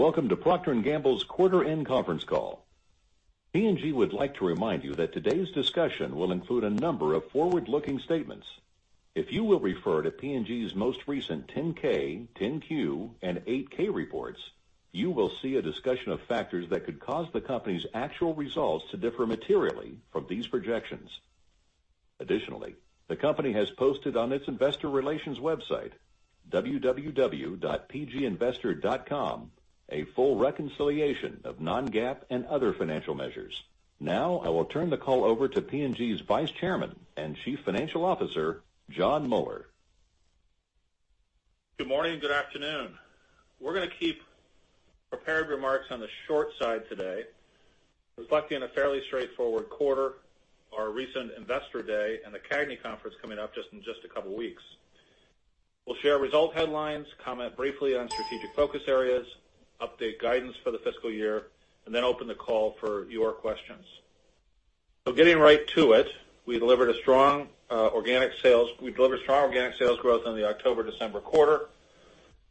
Welcome to Procter & Gamble's quarter end conference call. P&G would like to remind you that today's discussion will include a number of forward-looking statements. If you will refer to P&G's most recent 10-K, 10-Q, and 8-K reports, you will see a discussion of factors that could cause the company's actual results to differ materially from these projections. Additionally, the company has posted on its investor relations website, www.pginvestor.com, a full reconciliation of non-GAAP and other financial measures. Now, I will turn the call over to P&G's Vice Chairman and Chief Financial Officer, Jon Moeller. Good morning, good afternoon. We're going to keep prepared remarks on the short side today, reflecting on a fairly straightforward quarter, our recent Investor Day, and the CAGNY conference coming up in just a couple of weeks. We'll share result headlines, comment briefly on strategic focus areas, update guidance for the fiscal year, then open the call for your questions. Getting right to it, we delivered a strong organic sales growth in the October-December quarter,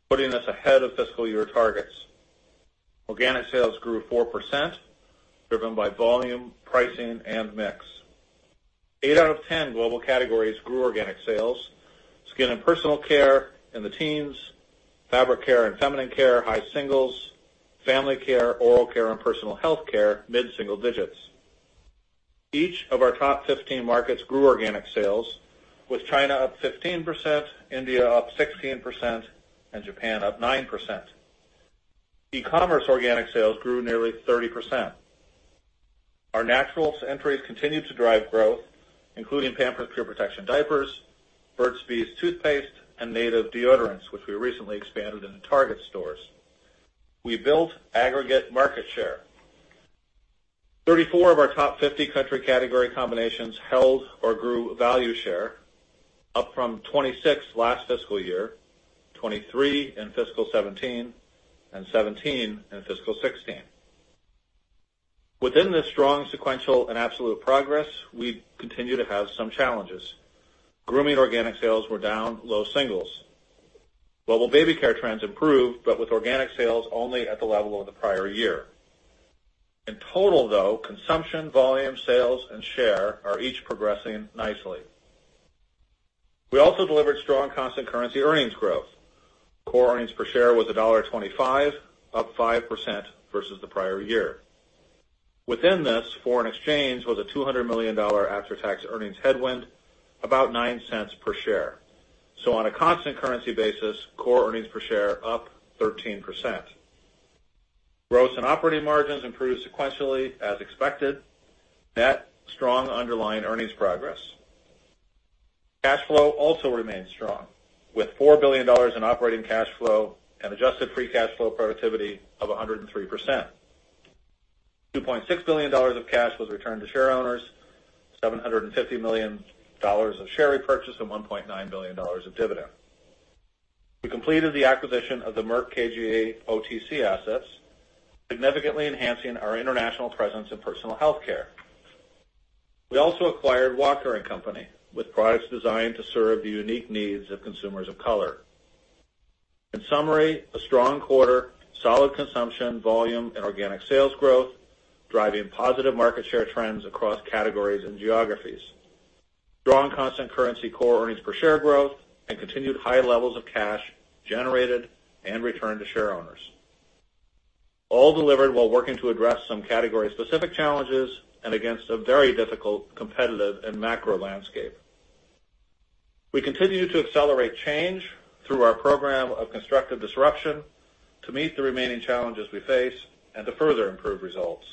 putting us ahead of fiscal year targets. Organic sales grew 4%, driven by volume, pricing, and mix. Eight out of 10 global categories grew organic sales. Skin and personal care in the teens, fabric care and feminine care, high singles, family care, oral care, and personal healthcare, mid-single digits. Each of our top 15 markets grew organic sales, with China up 15%, India up 16%, and Japan up 9%. E-commerce organic sales grew nearly 30%. Our naturals entries continued to drive growth, including Pampers Pure Protection diapers, Burt's Bees toothpaste, and Native deodorants, which we recently expanded into Target stores. We built aggregate market share. 34 of our top 50 country category combinations held or grew value share, up from 26 last fiscal year, 23 in fiscal 2017, and 17 in fiscal 2016. Within this strong sequential and absolute progress, we continue to have some challenges. Grooming organic sales were down low singles. Global baby care trends improved, but with organic sales only at the level of the prior year. In total, though, consumption, volume, sales, and share are each progressing nicely. We also delivered strong constant currency earnings growth. Core earnings per share was $1.25, up 5% versus the prior year. Within this, foreign exchange was a $200 million after-tax earnings headwind, about $0.09 per share. On a constant currency basis, core earnings per share up 13%. Gross and operating margins improved sequentially as expected. Net strong underlying earnings progress. Cash flow also remains strong, with $4 billion in operating cash flow and adjusted free cash flow productivity of 103%. $2.6 billion of cash was returned to shareowners, $750 million of share repurchase, and $1.9 billion of dividend. We completed the acquisition of the Merck KGaA OTC assets, significantly enhancing our international presence in personal healthcare. We also acquired Walker & Company, with products designed to serve the unique needs of consumers of color. In summary, a strong quarter, solid consumption, volume, and organic sales growth, driving positive market share trends across categories and geographies. Strong constant currency core earnings per share growth, and continued high levels of cash generated and returned to shareowners. All delivered while working to address some category-specific challenges, and against a very difficult competitive and macro landscape. We continue to accelerate change through our program of constructive disruption to meet the remaining challenges we face, and to further improve results.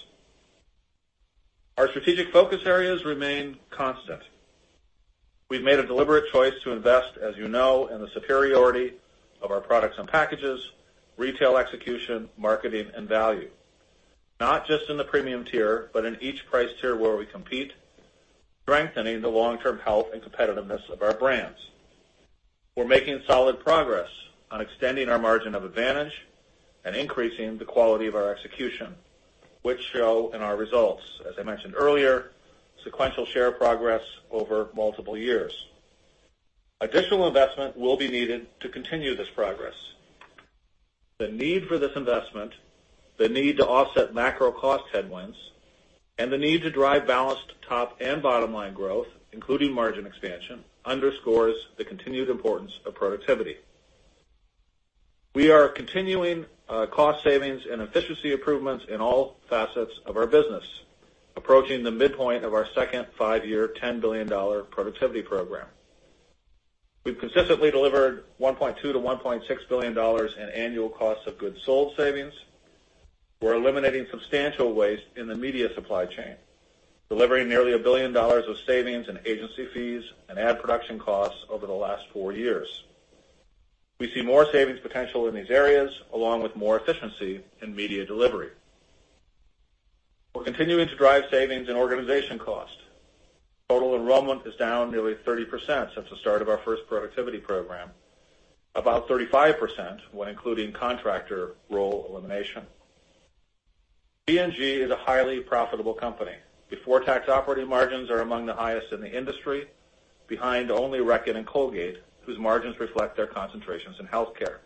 Our strategic focus areas remain constant. We've made a deliberate choice to invest, as you know, in the superiority of our products and packages, retail execution, marketing, and value. Not just in the premium tier, but in each price tier where we compete, strengthening the long-term health and competitiveness of our brands. We're making solid progress on extending our margin of advantage and increasing the quality of our execution, which show in our results, as I mentioned earlier, sequential share progress over multiple years. Additional investment will be needed to continue this progress. The need for this investment, the need to offset macro cost headwinds, and the need to drive balanced top and bottom line growth, including margin expansion, underscores the continued importance of productivity. We are continuing cost savings and efficiency improvements in all facets of our business, approaching the midpoint of our second five-year, $10 billion productivity program. We've consistently delivered $1.2 billion-$1.6 billion in annual cost of goods sold savings. We're eliminating substantial waste in the media supply chain, delivering nearly $1 billion of savings in agency fees and ad production costs over the last four years. We see more savings potential in these areas, along with more efficiency in media delivery. We're continuing to drive savings in organization cost. Total enrollment is down nearly 30% since the start of our first productivity program. About 35% when including contractor role elimination. P&G is a highly profitable company. Before-tax operating margins are among the highest in the industry, behind only Reckitt and Colgate, whose margins reflect their concentrations in healthcare.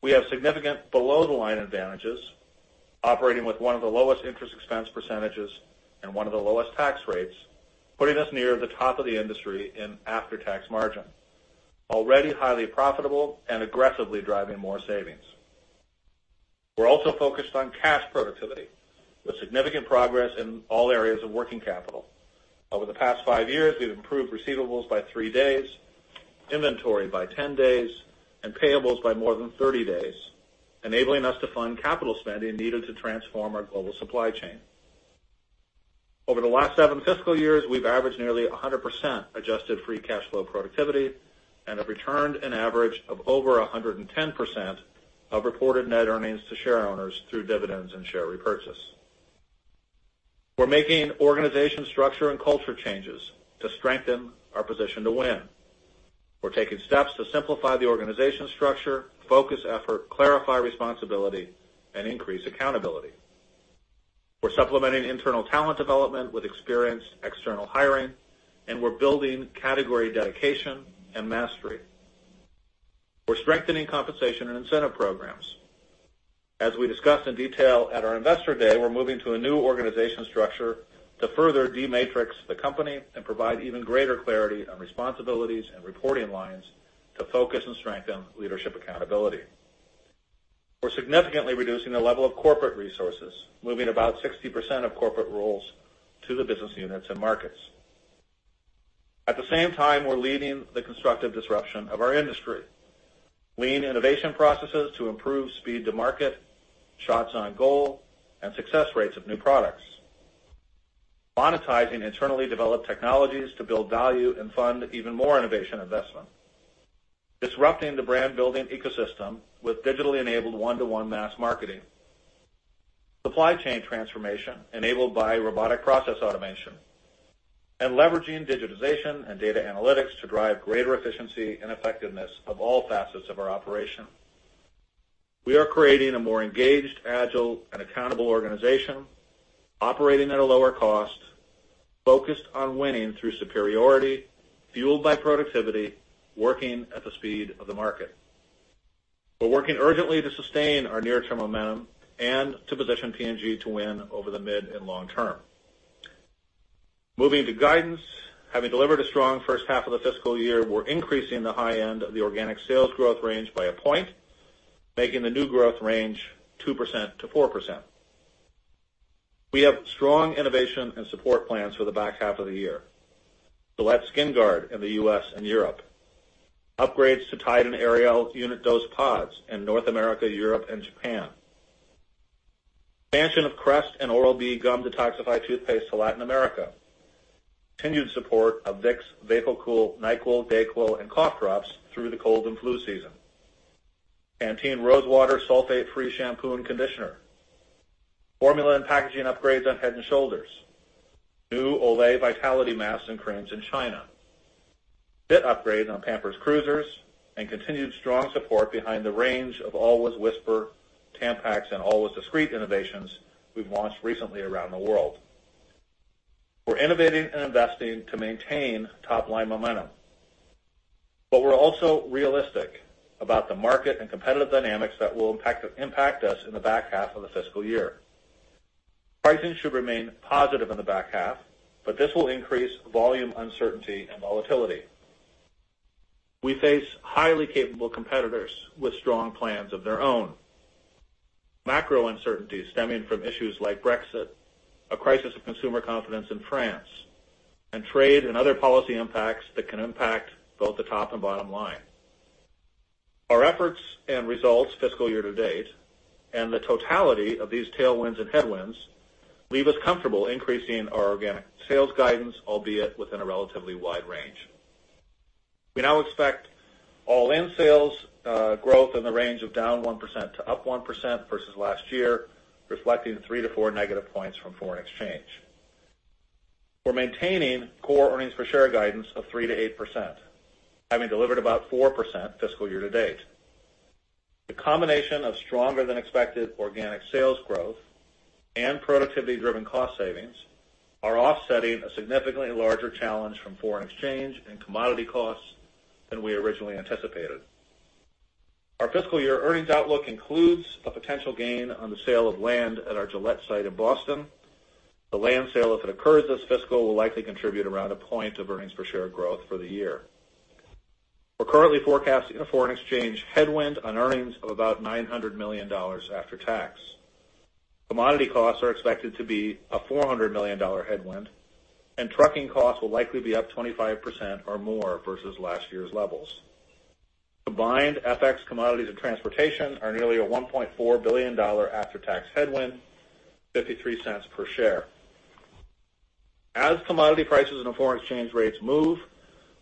We have significant below-the-line advantages, operating with one of the lowest interest expense percentages and one of the lowest tax rates, putting us near the top of the industry in after-tax margin, already highly profitable and aggressively driving more savings. We're also focused on cash productivity with significant progress in all areas of working capital. Over the past five years, we've improved receivables by three days, inventory by 10 days, and payables by more than 30 days, enabling us to fund capital spending needed to transform our global supply chain. Over the last seven fiscal years, we've averaged nearly 100% adjusted free cash flow productivity and have returned an average of over 110% of reported net earnings to shareowners through dividends and share repurchase. We're making organization structure and culture changes to strengthen our position to win. We're taking steps to simplify the organization structure, focus effort, clarify responsibility, and increase accountability. We're supplementing internal talent development with experienced external hiring, and we're building category dedication and mastery. We're strengthening compensation and incentive programs. As we discussed in detail at our Investor Day, we're moving to a new organization structure to further de-matrix the company and provide even greater clarity on responsibilities and reporting lines to focus and strengthen leadership accountability. We're significantly reducing the level of corporate resources, moving about 60% of corporate roles to the business units and markets. At the same time, we're leading the constructive disruption of our industry. Lean innovation processes to improve speed to market, shots on goal, and success rates of new products. Monetizing internally developed technologies to build value and fund even more innovation investment. Disrupting the brand-building ecosystem with digitally enabled one-to-one mass marketing. Supply chain transformation enabled by robotic process automation, leveraging digitization and data analytics to drive greater efficiency and effectiveness of all facets of our operation. We are creating a more engaged, agile, and accountable organization, operating at a lower cost, focused on winning through superiority, fueled by productivity, working at the speed of the market. We're working urgently to sustain our near-term momentum and to position P&G to win over the mid and long term. Moving to guidance. Having delivered a strong first half of the fiscal year, we're increasing the high end of the organic sales growth range by a point, making the new growth range 2%-4%. We have strong innovation and support plans for the back half of the year. Gillette SkinGuard in the U.S. and Europe. Upgrades to Tide and Ariel unit dose pods in North America, Europe, and Japan. Expansion of Crest and Oral-B Gum Detoxify toothpaste to Latin America. Continued support of Vicks VapoCool, NyQuil, DayQuil, and cough drops through the cold and flu season. Pantene Rose Water sulfate-free shampoo and conditioner. Formula and packaging upgrades on Head & Shoulders. New Olay Vitality masks and creams in China. Fit upgrades on Pampers Cruisers and continued strong support behind the range of Always, Whisper, Tampax, and Always Discreet innovations we've launched recently around the world. We're innovating and investing to maintain top-line momentum, we're also realistic about the market and competitive dynamics that will impact us in the back half of the fiscal year. Pricing should remain positive in the back half, this will increase volume uncertainty and volatility. We face highly capable competitors with strong plans of their own. Macro uncertainties stemming from issues like Brexit, a crisis of consumer confidence in France, trade and other policy impacts that can impact both the top and bottom line. Our efforts and results fiscal year to date, the totality of these tailwinds and headwinds, leave us comfortable increasing our organic sales guidance, albeit within a relatively wide range. We now expect all-in sales growth in the range of down 1% to +1% versus last year, reflecting three to four negative points from foreign exchange. We're maintaining core earnings per share guidance of 3%-8%, having delivered about 4% fiscal year to date. The combination of stronger-than-expected organic sales growth and productivity-driven cost savings are offsetting a significantly larger challenge from foreign exchange and commodity costs than we originally anticipated. Our fiscal year earnings outlook includes a potential gain on the sale of land at our Gillette site in Boston. The land sale, if it occurs this fiscal, will likely contribute around a point of earnings per share growth for the year. We're currently forecasting a foreign exchange headwind on earnings of about $900 million after tax. Commodity costs are expected to be a $400 million headwind, trucking costs will likely be up 25% or more versus last year's levels. Combined, FX commodities and transportation are nearly a $1.4 billion after-tax headwind, $0.53 per share. As commodity prices and foreign exchange rates move,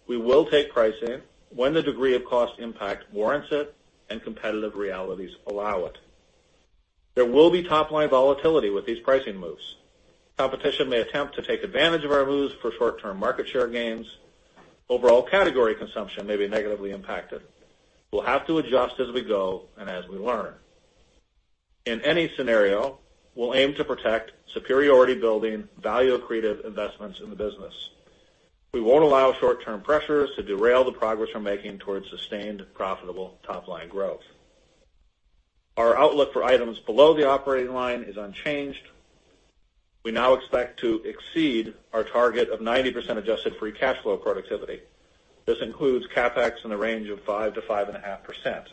we will take pricing when the degree of cost impact warrants it and competitive realities allow it. There will be top-line volatility with these pricing moves. Competition may attempt to take advantage of our moves for short-term market share gains. Overall category consumption may be negatively impacted. We'll have to adjust as we go and as we learn. In any scenario, we'll aim to protect superiority building value creative investments in the business. We won't allow short-term pressures to derail the progress we're making towards sustained profitable top-line growth. Our outlook for items below the operating line is unchanged. We now expect to exceed our target of 90% adjusted free cash flow productivity. This includes CapEx in the range of 5%-5.5%.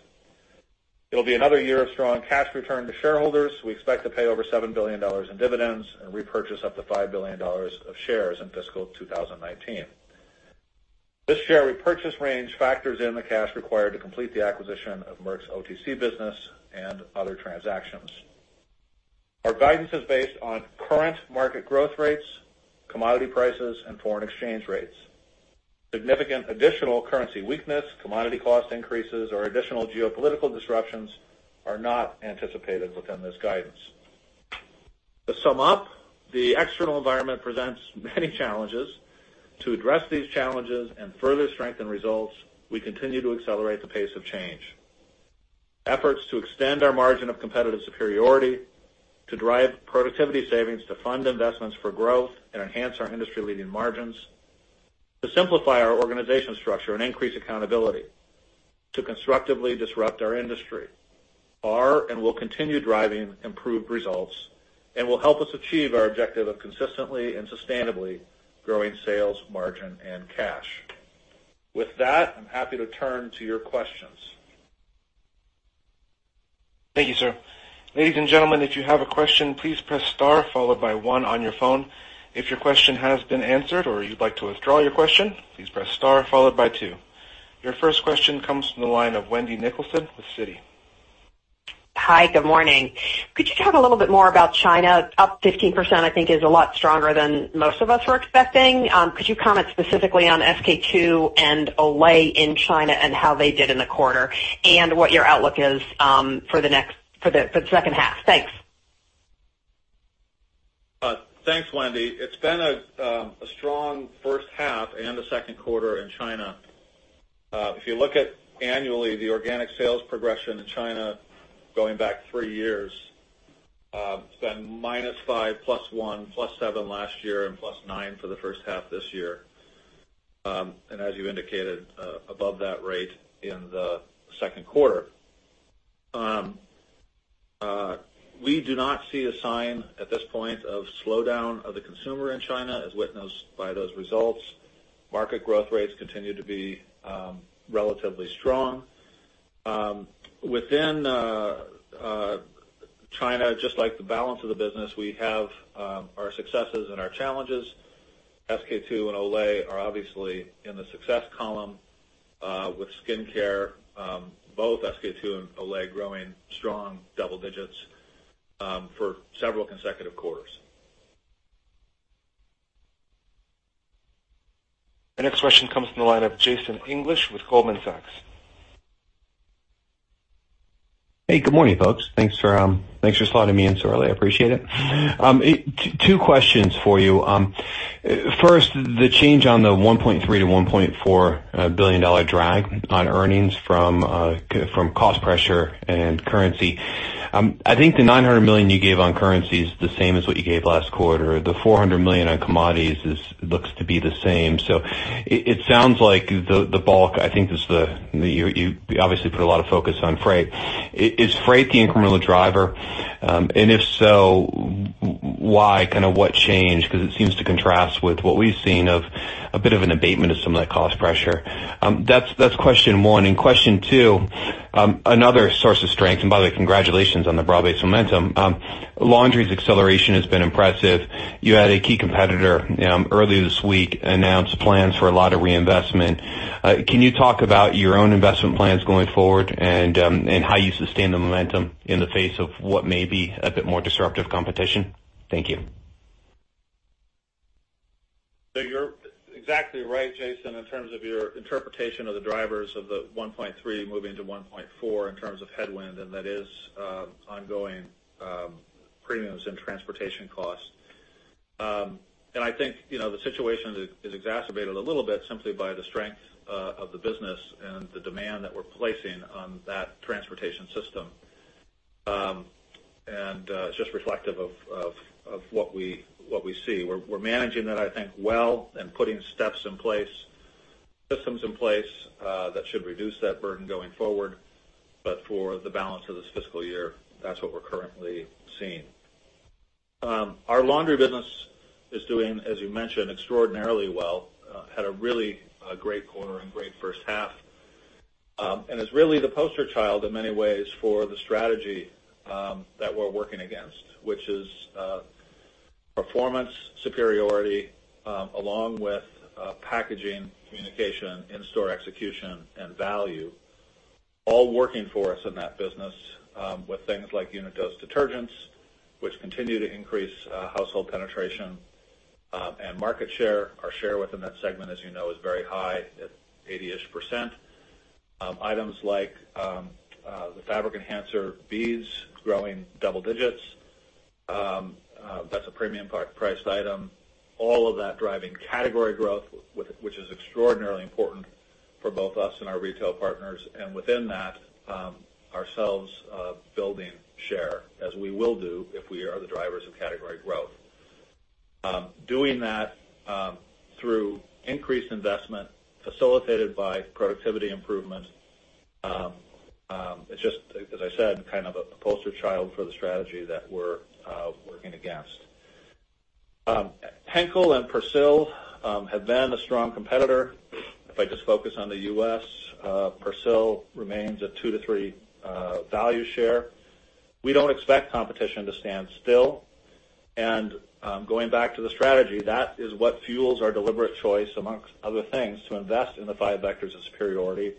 It'll be another year of strong cash return to shareholders. We expect to pay over $7 billion in dividends and repurchase up to $5 billion of shares in fiscal 2019. This share repurchase range factors in the cash required to complete the acquisition of Merck's OTC business and other transactions. Our guidance is based on current market growth rates, commodity prices, and foreign exchange rates. Significant additional currency weakness, commodity cost increases, or additional geopolitical disruptions are not anticipated within this guidance. To sum up, the external environment presents many challenges. To address these challenges and further strengthen results, we continue to accelerate the pace of change. Efforts to extend our margin of competitive superiority, to drive productivity savings to fund investments for growth and enhance our industry-leading margins, to simplify our organization structure and increase accountability, to constructively disrupt our industry are and will continue driving improved results and will help us achieve our objective of consistently and sustainably growing sales, margin, and cash. With that, I'm happy to turn to your questions. Thank you, sir. Ladies and gentlemen, if you have a question, please press star followed by one on your phone. If your question has been answered or you'd like to withdraw your question, please press star followed by two. Your first question comes from the line of Wendy Nicholson with Citi. Hi. Good morning. Could you talk a little bit more about China? Up 15%, I think, is a lot stronger than most of us were expecting. Could you comment specifically on SK-II and Olay in China and how they did in the quarter and what your outlook is for the second half? Thanks. Thanks, Wendy. It's been a strong first half and a second quarter in China. If you look at annually the organic sales progression in China going back three years, it's been minus five, plus one, plus seven last year, and plus nine for the first half this year. As you indicated, above that rate in the second quarter. We do not see a sign at this point of slowdown of the consumer in China as witnessed by those results. Market growth rates continue to be relatively strong. Within China, just like the balance of the business, we have our successes and our challenges. SK-II and Olay are obviously in the success column, with skincare, both SK-II and Olay growing strong double digits for several consecutive quarters. The next question comes from the line of Jason English with Goldman Sachs. Hey, good morning, folks. Thanks for slotting me in so early. I appreciate it. Two questions for you. First, the change on the $1.3 billion-$1.4 billion drag on earnings from cost pressure and currency. I think the $900 million you gave on currency is the same as what you gave last quarter. The $400 million on commodities looks to be the same. It sounds like the bulk, I think you obviously put a lot of focus on freight. Is freight the incremental driver? If so, why? What changed? Because it seems to contrast with what we've seen of a bit of an abatement of some of that cost pressure. That's question one. Question two, another source of strength, and by the way, congratulations on the broad-based momentum. laundry's acceleration has been impressive. You had a key competitor earlier this week announce plans for a lot of reinvestment. Can you talk about your own investment plans going forward and how you sustain the momentum in the face of what may be a bit more disruptive competition? Thank you. You're exactly right, Jason, in terms of your interpretation of the drivers of the 1.3 moving to 1.4 in terms of headwind, that is ongoing premiums in transportation costs. I think the situation is exacerbated a little bit simply by the strength of the business and the demand that we're placing on that transportation system, it's just reflective of what we see. We're managing that, I think, well and putting systems in place that should reduce that burden going forward. For the balance of this fiscal year, that's what we're currently seeing. Our laundry business is doing, as you mentioned, extraordinarily well, had a really great quarter and great first half. It's really the poster child in many ways for the strategy that we're working against, which is performance superiority, along with packaging, communication, in-store execution, and value, all working for us in that business with things like unit dose detergents, which continue to increase household penetration and market share. Our share within that segment, as you know, is very high at 80-ish%. Items like the fabric enhancer beads growing double digits. That's a premium priced item. All of that driving category growth, which is extraordinarily important for both us and our retail partners, and within that, ourselves building share, as we will do if we are the drivers of category growth. Doing that through increased investment facilitated by productivity improvement. It's just, as I said, kind of a poster child for the strategy that we're working against. Henkel and Persil have been a strong competitor. If I just focus on the U.S., Persil remains a two to three value share. We don't expect competition to stand still. Going back to the strategy, that is what fuels our deliberate choice, amongst other things, to invest in the five vectors of superiority,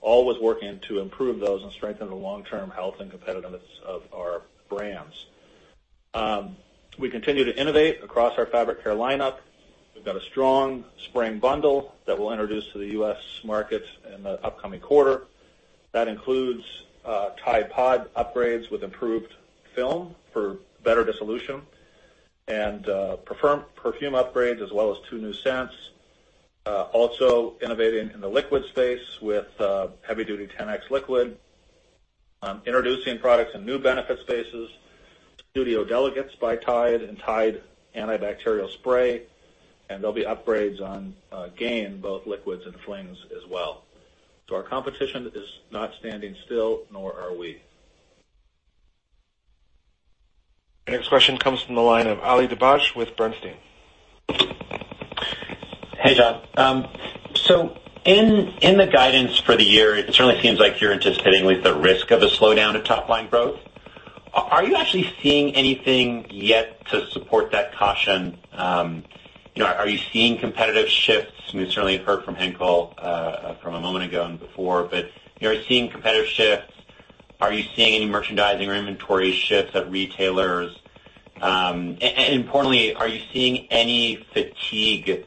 always working to improve those and strengthen the long-term health and competitiveness of our brands. We continue to innovate across our fabric care lineup. We've got a strong spring bundle that we'll introduce to the U.S. markets in the upcoming quarter. That includes Tide PODS upgrades with improved film for better dissolution, and perfume upgrades, as well as two new scents. Also innovating in the liquid space with Heavy Duty 10X liquid, introducing products in new benefit spaces, Studio by Tide, and Tide Antibacterial Fabric Spray, and there'll be upgrades on Gain, both liquids and flings as well. Our competition is not standing still, nor are we. Our next question comes from the line of Ali Dibadj with Bernstein. Hey, Jon. In the guidance for the year, it certainly seems like you're anticipating with the risk of a slowdown of top-line growth. Are you actually seeing anything yet to support that caution? Are you seeing competitive shifts? We certainly heard from Henkel from a moment ago and before, but are you seeing competitive shifts? Are you seeing any merchandising or inventory shifts at retailers? And importantly, are you seeing any fatigue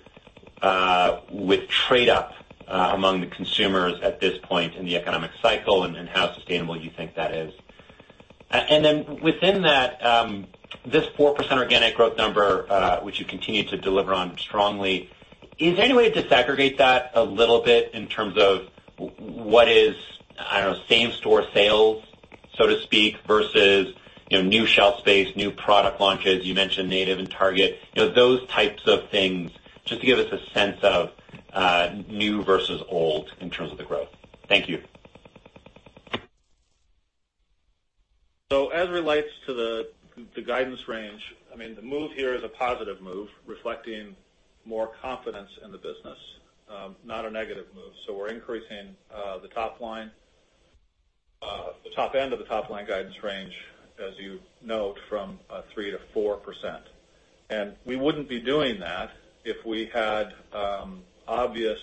with trade up among the consumers at this point in the economic cycle, and how sustainable you think that is? Then within that, this 4% organic growth number, which you continue to deliver on strongly, is there any way to disaggregate that a little bit in terms of what is, I don't know, same-store sales, so to speak, versus new shelf space, new product launches. You mentioned Native and Target, those types of things, just to give us a sense of new versus old in terms of the growth. Thank you. As it relates to the guidance range, the move here is a positive move reflecting more confidence in the business, not a negative move. We're increasing the top end of the top-line guidance range, as you note, from 3% - 4%. We wouldn't be doing that if we had obvious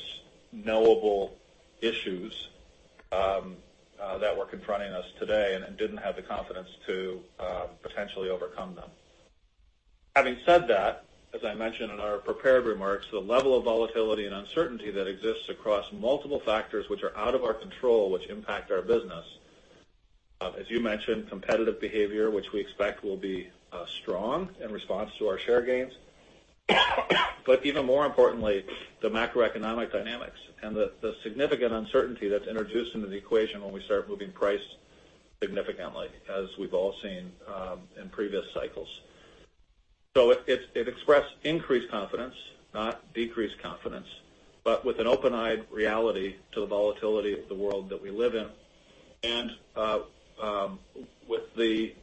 knowable issues that were confronting us today and didn't have the confidence to potentially overcome them. Having said that, as I mentioned in our prepared remarks, the level of volatility and uncertainty that exists across multiple factors which are out of our control, which impact our business. As you mentioned, competitive behavior, which we expect will be strong in response to our share gains. Even more importantly, the macroeconomic dynamics and the significant uncertainty that's introduced into the equation when we start moving price significantly, as we've all seen in previous cycles. It expressed increased confidence, not decreased confidence, but with an open-eyed reality to the volatility of the world that we live in, and with the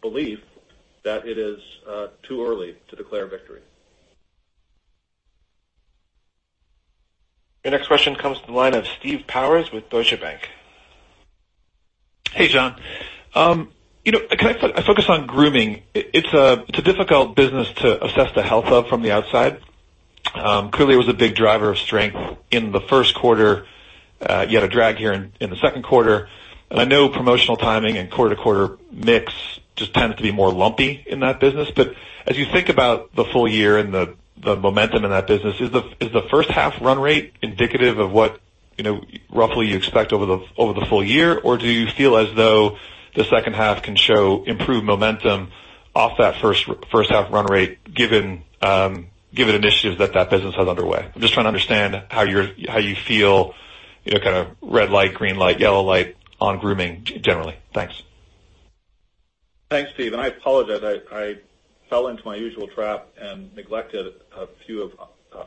belief that it is too early to declare victory. Your next question comes to the line of Steve Powers with Deutsche Bank. Hey, Jon. Can I focus on grooming? It's a difficult business to assess the health of from the outside. Clearly, it was a big driver of strength in the first quarter. You had a drag here in the second quarter, and I know promotional timing and quarter-to-quarter mix just tends to be more lumpy in that business. As you think about the full year and the momentum in that business, is the first half run rate indicative of what roughly you expect over the full year? Or do you feel as though the second half can show improved momentum off that first half run rate, given initiatives that business has underway? I'm just trying to understand how you feel, kind of red light, green light, yellow light on grooming generally. Thanks. Thanks, Steve. I apologize, I fell into my usual trap and neglected a few of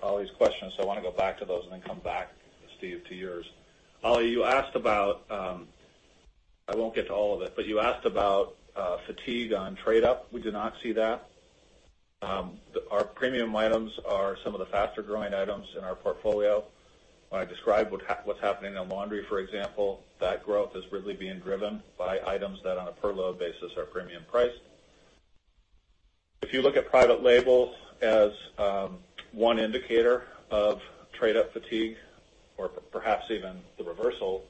Ali's questions, so I want to go back to those and then come back, Steve, to yours. Ali, I won't get to all of it, but you asked about fatigue on trade-up. We do not see that. Our premium items are some of the faster-growing items in our portfolio. When I describe what's happening in laundry, for example, that growth is really being driven by items that on a per load basis are premium priced. If you look at private label as one indicator of trade-up fatigue or perhaps even the reversal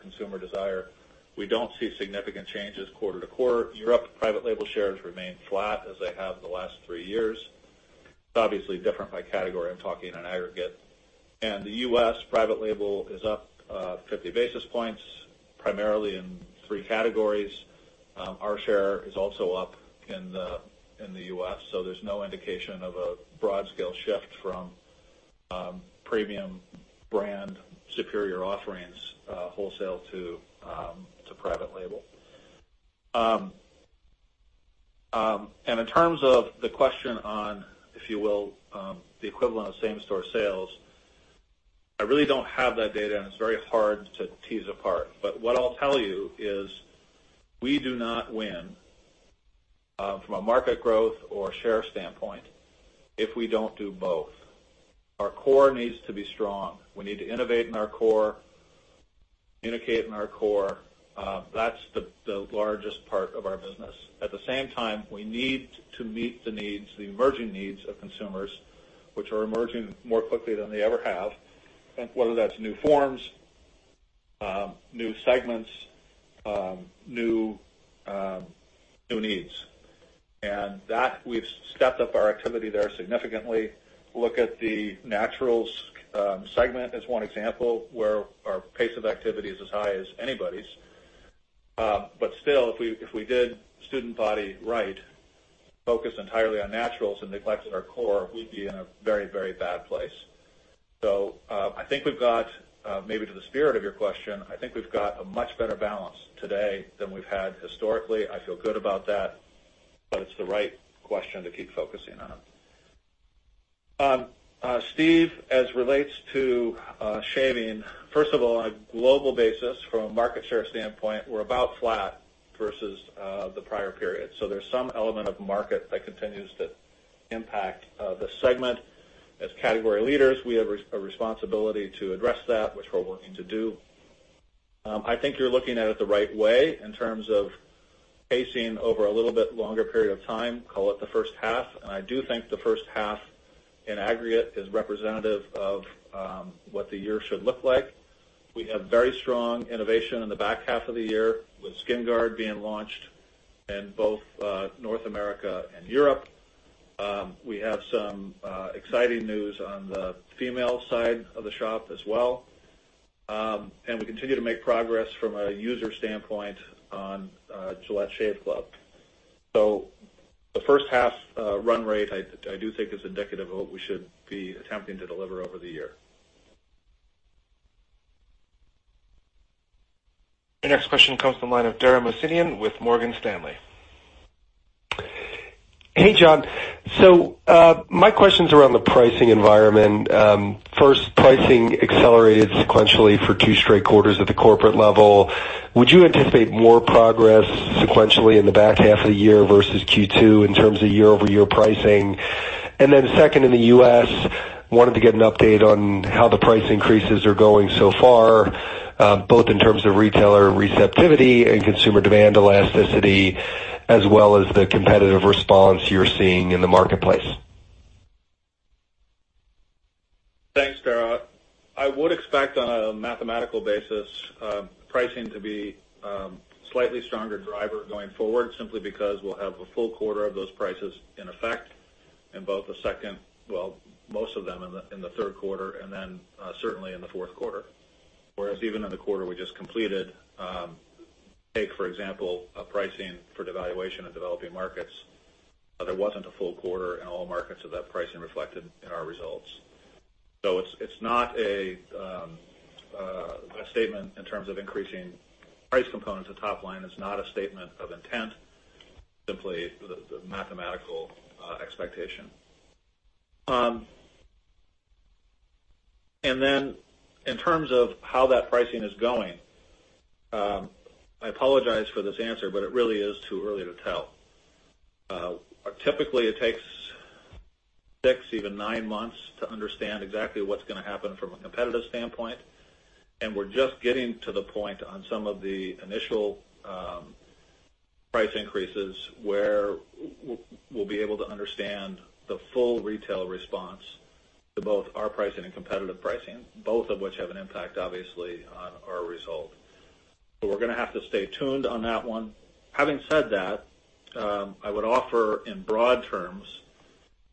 consumer desire. We don't see significant changes quarter-to-quarter. Europe private label shares remain flat as they have the last three years. It's obviously different by category. I'm talking in aggregate. The U.S. private label is up 50 basis points, primarily in three categories. Our share is also up in the U.S., so there's no indication of a broad scale shift from premium brand superior offerings, wholesale to private label. In terms of the question on, if you will, the equivalent of same-store sales, I really don't have that data, and it's very hard to tease apart. What I'll tell you is we do not win from a market growth or share standpoint if we don't do both. Our core needs to be strong. We need to innovate in our core, communicate in our core. That's the largest part of our business. At the same time, we need to meet the emerging needs of consumers, which are emerging more quickly than they ever have, whether that's new forms, new segments, new needs. That, we've stepped up our activity there significantly. Look at the naturals segment as one example, where our pace of activity is as high as anybody's. Still, if we did student body right, focused entirely on naturals and neglected our core, we'd be in a very bad place. I think we've got, maybe to the spirit of your question, I think we've got a much better balance today than we've had historically. I feel good about that, but it's the right question to keep focusing on. Steve, as relates to shaving, first of all, on a global basis from a market share standpoint, we're about flat versus the prior period. There's some element of market that continues to impact the segment. As category leaders, we have a responsibility to address that, which we're working to do. I think you're looking at it the right way in terms of pacing over a little bit longer period of time, call it the first half. I do think the first half in aggregate is representative of what the year should look like. We have very strong innovation in the back half of the year with SkinGuard being launched in both North America and Europe. We have some exciting news on the female side of the shop as well. We continue to make progress from a user standpoint on Gillette Shave Club. The first half run rate, I do think is indicative of what we should be attempting to deliver over the year. The next question comes from the line of Dara Mohsenian with Morgan Stanley. Hey, Jon. My question's around the pricing environment. First, pricing accelerated sequentially for two straight quarters at the corporate level. Would you anticipate more progress sequentially in the back half of the year versus Q2 in terms of year-over-year pricing? Second, in the U.S., I wanted to get an update on how the price increases are going so far, both in terms of retailer receptivity and consumer demand elasticity, as well as the competitive response you're seeing in the marketplace. Thanks, Dara. I would expect on a mathematical basis, pricing to be slightly stronger driver going forward, simply because we'll have a full quarter of those prices in effect in most of them in the third quarter and then certainly in the fourth quarter. Whereas even in the quarter we just completed, take for example, a pricing for devaluation of developing markets. There wasn't a full quarter in all markets of that pricing reflected in our results. It's not a statement in terms of increasing price components of top line. It's not a statement of intent, simply the mathematical expectation. In terms of how that pricing is going, I apologize for this answer, but it really is too early to tell. Typically, it takes six, even nine months to understand exactly what's going to happen from a competitive standpoint. We're just getting to the point on some of the initial price increases where we'll be able to understand the full retail response to both our pricing and competitive pricing. Both of which have an impact, obviously, on our result. We're going to have to stay tuned on that one. Having said that, I would offer in broad terms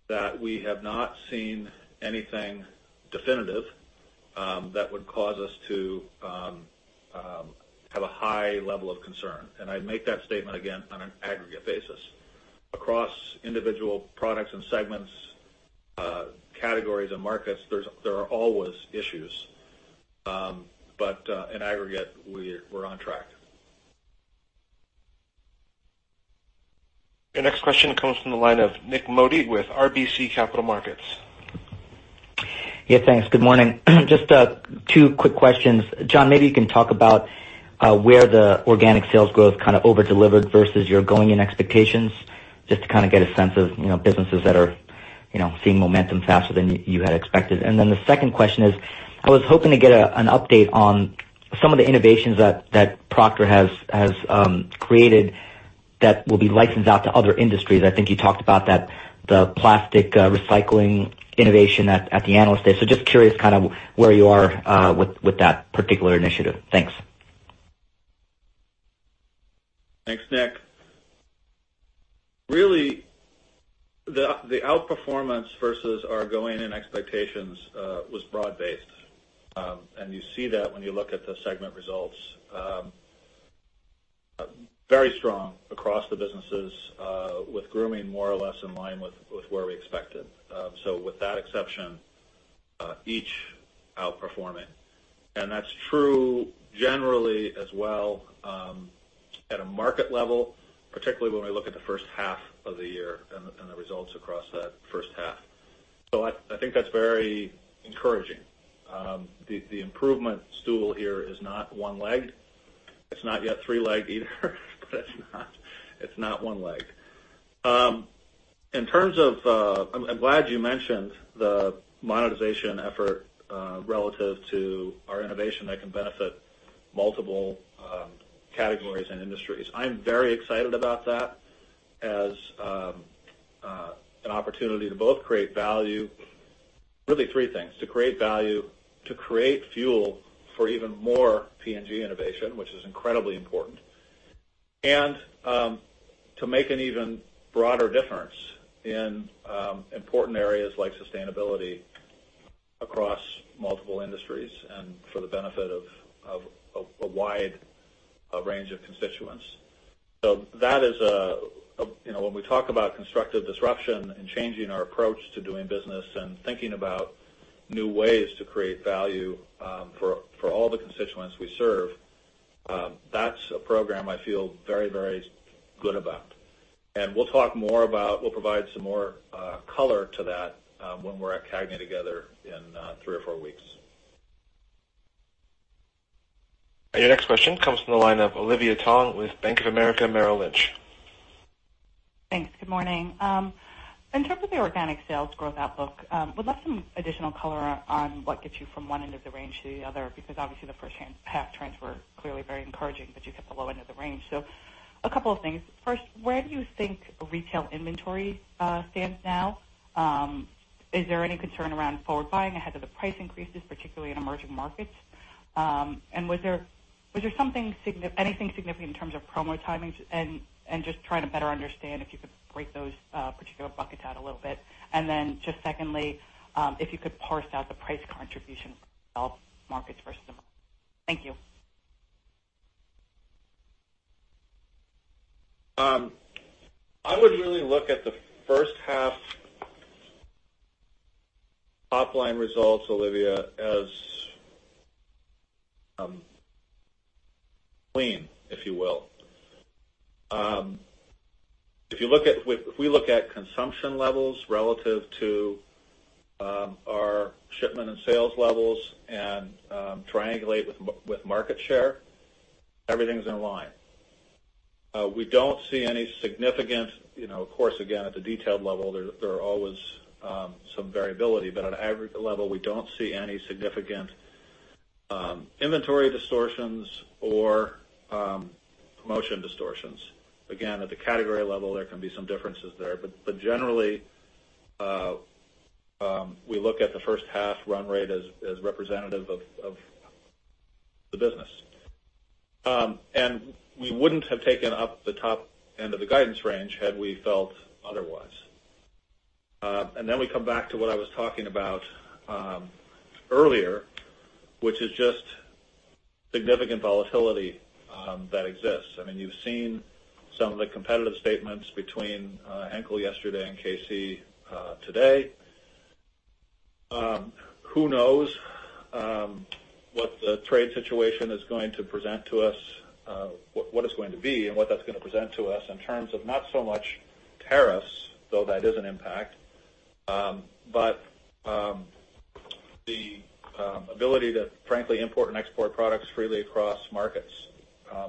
that we have not seen anything definitive that would cause us to have a high level of concern. I make that statement again on an aggregate basis. Across individual products and segments, categories and markets, there are always issues. In aggregate, we're on track. Your next question comes from the line of Nik Modi with RBC Capital Markets. Thanks. Good morning. Just two quick questions. Jon, maybe you can talk about where the organic sales growth kind of over-delivered versus your going-in expectations, just to kind of get a sense of businesses that are seeing momentum faster than you had expected. The second question is, I was hoping to get an update on some of the innovations that Procter has created that will be licensed out to other industries. I think you talked about the plastic recycling innovation at the Analyst Day. Just curious where you are with that particular initiative. Thanks. Thanks, Nik. Really, the outperformance versus our going-in expectations was broad-based. You see that when you look at the segment results. Very strong across the businesses, with grooming more or less in line with where we expected. With that exception, each outperforming. That's true generally as well, at a market level, particularly when we look at the first half of the year and the results across that first half. I think that's very encouraging. The improvement stool here is not one-legged. It's not yet three-legged either, but it's not one-legged. I'm glad you mentioned the monetization effort relative to our innovation that can benefit multiple categories and industries. I'm very excited about that as an opportunity to both create value. Really three things: to create value, to create fuel for even more P&G innovation, which is incredibly important, and to make an even broader difference in important areas like sustainability across multiple industries and for the benefit of a wide range of constituents. When we talk about constructive disruption and changing our approach to doing business and thinking about new ways to create value for all the constituents we serve, that's a program I feel very good about. We'll provide some more color to that when we're at CAGNY together in three or four weeks. Your next question comes from the line of Olivia Tong with Bank of America Merrill Lynch. Thanks. Good morning. In terms of the organic sales growth outlook, would like some additional color on what gets you from one end of the range to the other, because obviously the first half trends were clearly very encouraging, but you hit the low end of the range. A couple of things. First, where do you think retail inventory stands now? Is there any concern around forward buying ahead of the price increases, particularly in emerging markets? Was there anything significant in terms of promo timings? Just trying to better understand, if you could break those particular buckets out a little bit. Just secondly, if you could parse out the price contribution of developed markets versus emerging. Thank you. I would really look at the first half topline results, Olivia, as clean, if you will. If we look at consumption levels relative to our shipment and sales levels and triangulate with market share, everything's in line. We don't see any significant. Of course, again, at the detailed level, there are always some variability. At aggregate level, we don't see any significant inventory distortions or promotion distortions. Again, at the category level, there can be some differences there. Generally, we look at the first half run rate as representative of the business. We wouldn't have taken up the top end of the guidance range had we felt otherwise. We come back to what I was talking about earlier, which is just significant volatility that exists. You've seen some of the competitive statements between Henkel yesterday and Kimberly-Clark today. Who knows what the trade situation is going to present to us, what it's going to be and what that's going to present to us in terms of not so much tariffs, though that is an impact, but the ability to frankly import and export products freely across markets.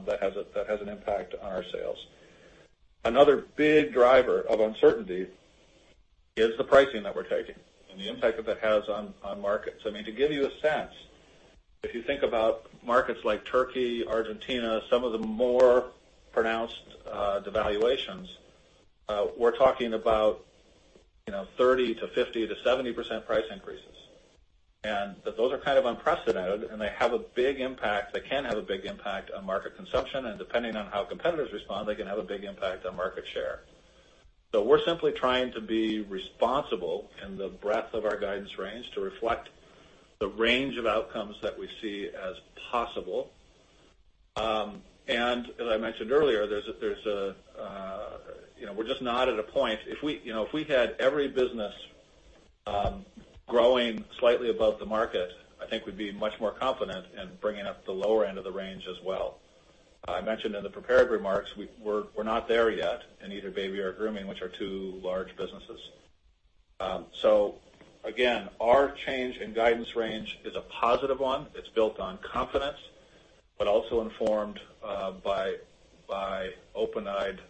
That has an impact on our sales. Another big driver of uncertainty is the pricing that we're taking and the impact that that has on markets. To give you a sense, if you think about markets like Turkey, Argentina, some of the more pronounced devaluations, we're talking about 30% to 50% to 70% price increases. Those are kind of unprecedented, and they can have a big impact on market consumption. Depending on how competitors respond, they can have a big impact on market share. We're simply trying to be responsible in the breadth of our guidance range to reflect the range of outcomes that we see as possible. As I mentioned earlier, we're just not at a point. If we had every business growing slightly above the market, I think we'd be much more confident in bringing up the lower end of the range as well. I mentioned in the prepared remarks, we're not there yet in either Baby or Grooming, which are two large businesses. Again, our change in guidance range is a positive one. It's built on confidence, but also informed by open-eyed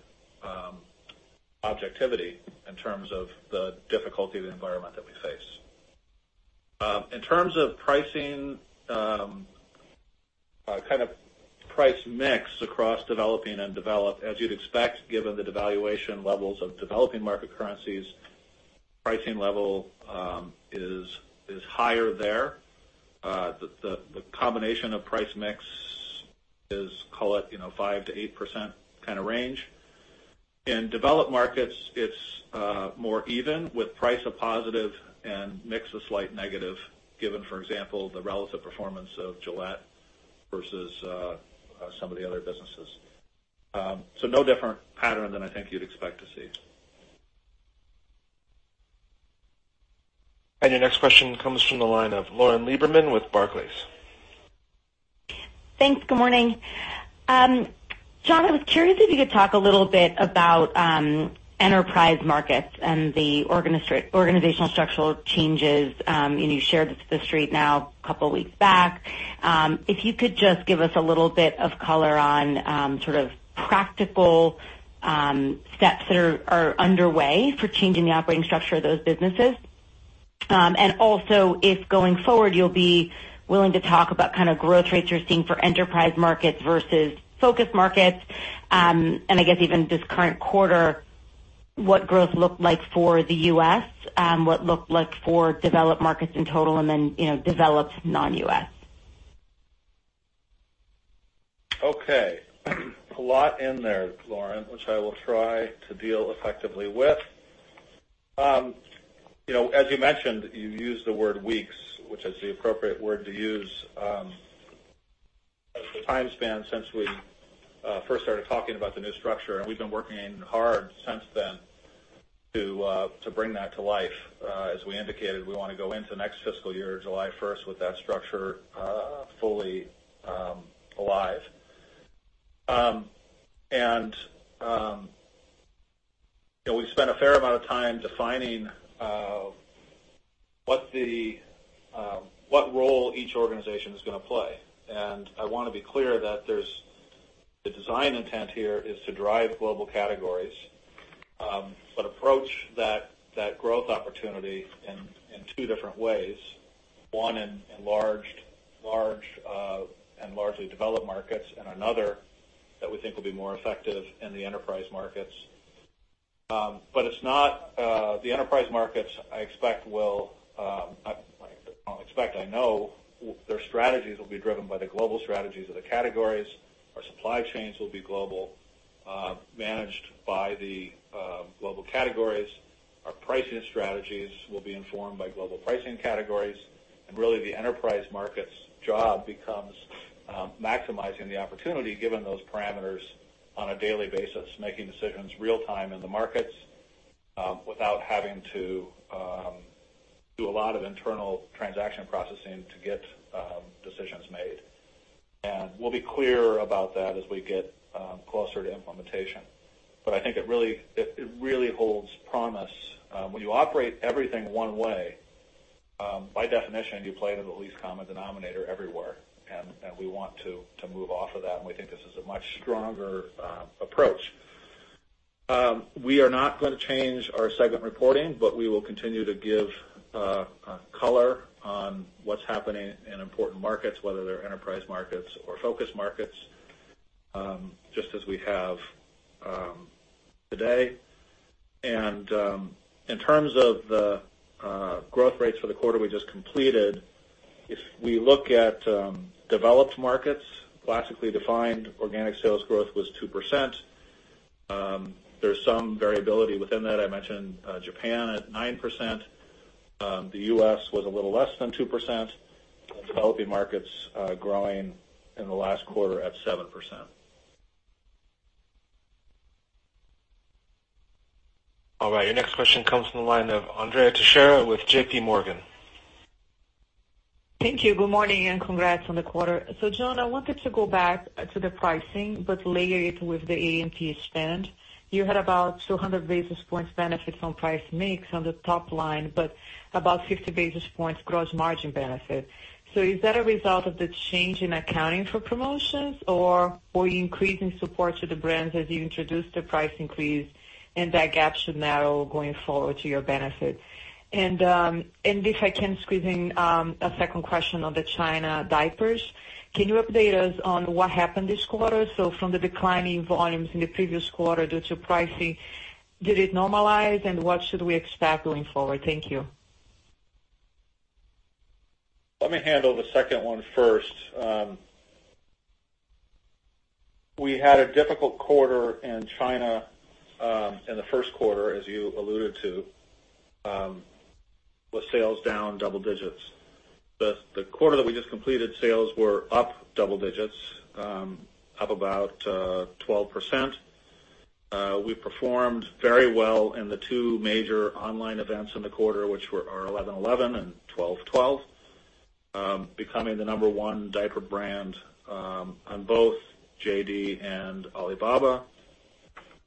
objectivity in terms of the difficulty of the environment that we face. In terms of pricing, price mix across developing and developed, as you'd expect, given the devaluation levels of developing market currencies, pricing level is higher there. The combination of price mix is, call it, 5%-8% range. In developed markets, it's more even with price a positive and mix a slight negative given, for example, the relative performance of Gillette versus some of the other businesses. No different pattern than I think you'd expect to see. Your next question comes from the line of Lauren Lieberman with Barclays. Thanks. Good morning. Jon, I was curious if you could talk a little bit about enterprise markets and the organizational structural changes. You shared this with The Street now a couple of weeks back. If you could just give us a little bit of color on practical steps that are underway for changing the operating structure of those businesses. Also, if going forward, you'll be willing to talk about growth rates you're seeing for enterprise markets versus focus markets. I guess even this current quarter, what growth looked like for the U.S., what looked like for developed markets in total, and then developed non-U.S. Okay. A lot in there, Lauren, which I will try to deal effectively with. As you mentioned, you used the word weeks, which is the appropriate word to use, as the time span since we first started talking about the new structure, and we've been working hard since then to bring that to life. As we indicated, we want to go into the next fiscal year, July 1st, with that structure fully alive. We've spent a fair amount of time defining what role each organization is going to play. I want to be clear that the design intent here is to drive global categories, but approach that growth opportunity in two different ways. One, in large and largely developed markets, and another that we think will be more effective in the enterprise markets. The enterprise markets, I expect will, not expect, I know their strategies will be driven by the global strategies of the categories. Our supply chains will be global, managed by the global categories. Our pricing strategies will be informed by global pricing categories. Really the enterprise markets job becomes maximizing the opportunity given those parameters on a daily basis, making decisions real time in the markets without having to do a lot of internal transaction processing to get decisions made. We'll be clear about that as we get closer to implementation. I think it really holds promise. When you operate everything one way, by definition, you play to the least common denominator everywhere, and we want to move off of that, and we think this is a much stronger approach. We are not going to change our segment reporting, we will continue to give color on what's happening in important markets, whether they're enterprise markets or focus markets, just as we have today. In terms of the growth rates for the quarter we just completed, if we look at developed markets, classically defined, organic sales growth was 2%. There's some variability within that. I mentioned Japan at 9%. The U.S. was a little less than 2%, and developing markets growing in the last quarter at 7%. All right. Your next question comes from the line of Andrea Teixeira with J.P. Morgan. Thank you. Good morning, congrats on the quarter. Jon, I wanted to go back to the pricing, layer it with the A&P spend. You had about 200 basis points benefit from price mix on the top line, about 50 basis points gross margin benefit. Is that a result of the change in accounting for promotions or are you increasing support to the brands as you introduce the price increase, that gap should narrow going forward to your benefit? If I can squeeze in a second question on the China diapers. Can you update us on what happened this quarter? From the declining volumes in the previous quarter due to pricing, did it normalize, and what should we expect going forward? Thank you. Let me handle the second one first. We had a difficult quarter in China in the first quarter, as you alluded to, with sales down double digits. The quarter that we just completed, sales were up double digits, up about 12%. We performed very well in the two major online events in the quarter, which were our 11.11 and 12.12, becoming the number 1 diaper brand on both JD and Alibaba.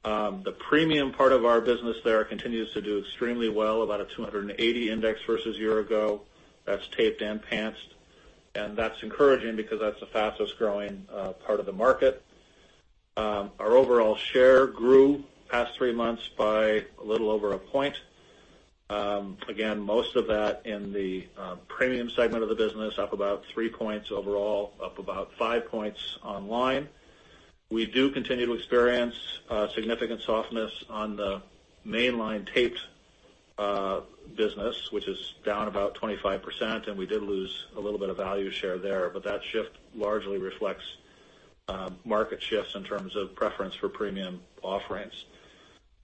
The premium part of our business there continues to do extremely well, about a 280 index versus a year ago. That's taped and pantsed. That's encouraging because that's the fastest-growing part of the market. Our overall share grew the past three months by a little over a point. Again, most of that in the premium segment of the business, up about three points overall, up about five points online. We do continue to experience significant softness on the mainline taped business, which is down about 25%, and we did lose a little bit of value share there, but that shift largely reflects market shifts in terms of preference for premium offerings.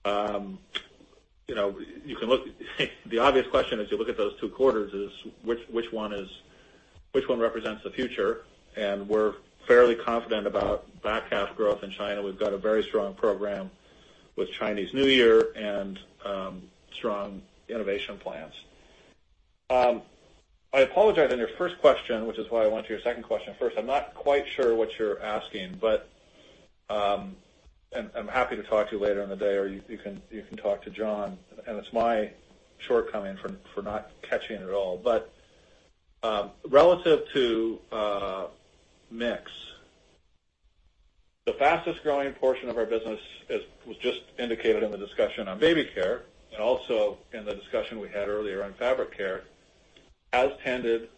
The obvious question as you look at those two quarters is, which one represents the future? We're fairly confident about back-half growth in China. We've got a very strong program with Chinese New Year and strong innovation plans. I apologize on your first question, which is why I went to your second question first. I'm not quite sure what you're asking, but I'm happy to talk to you later in the day, or you can talk to Jon, and it's my shortcoming for not catching it all. Relative to mix, the fastest-growing portion of our business, as was just indicated in the discussion on baby care and also in the discussion we had earlier on fabric care, has tended,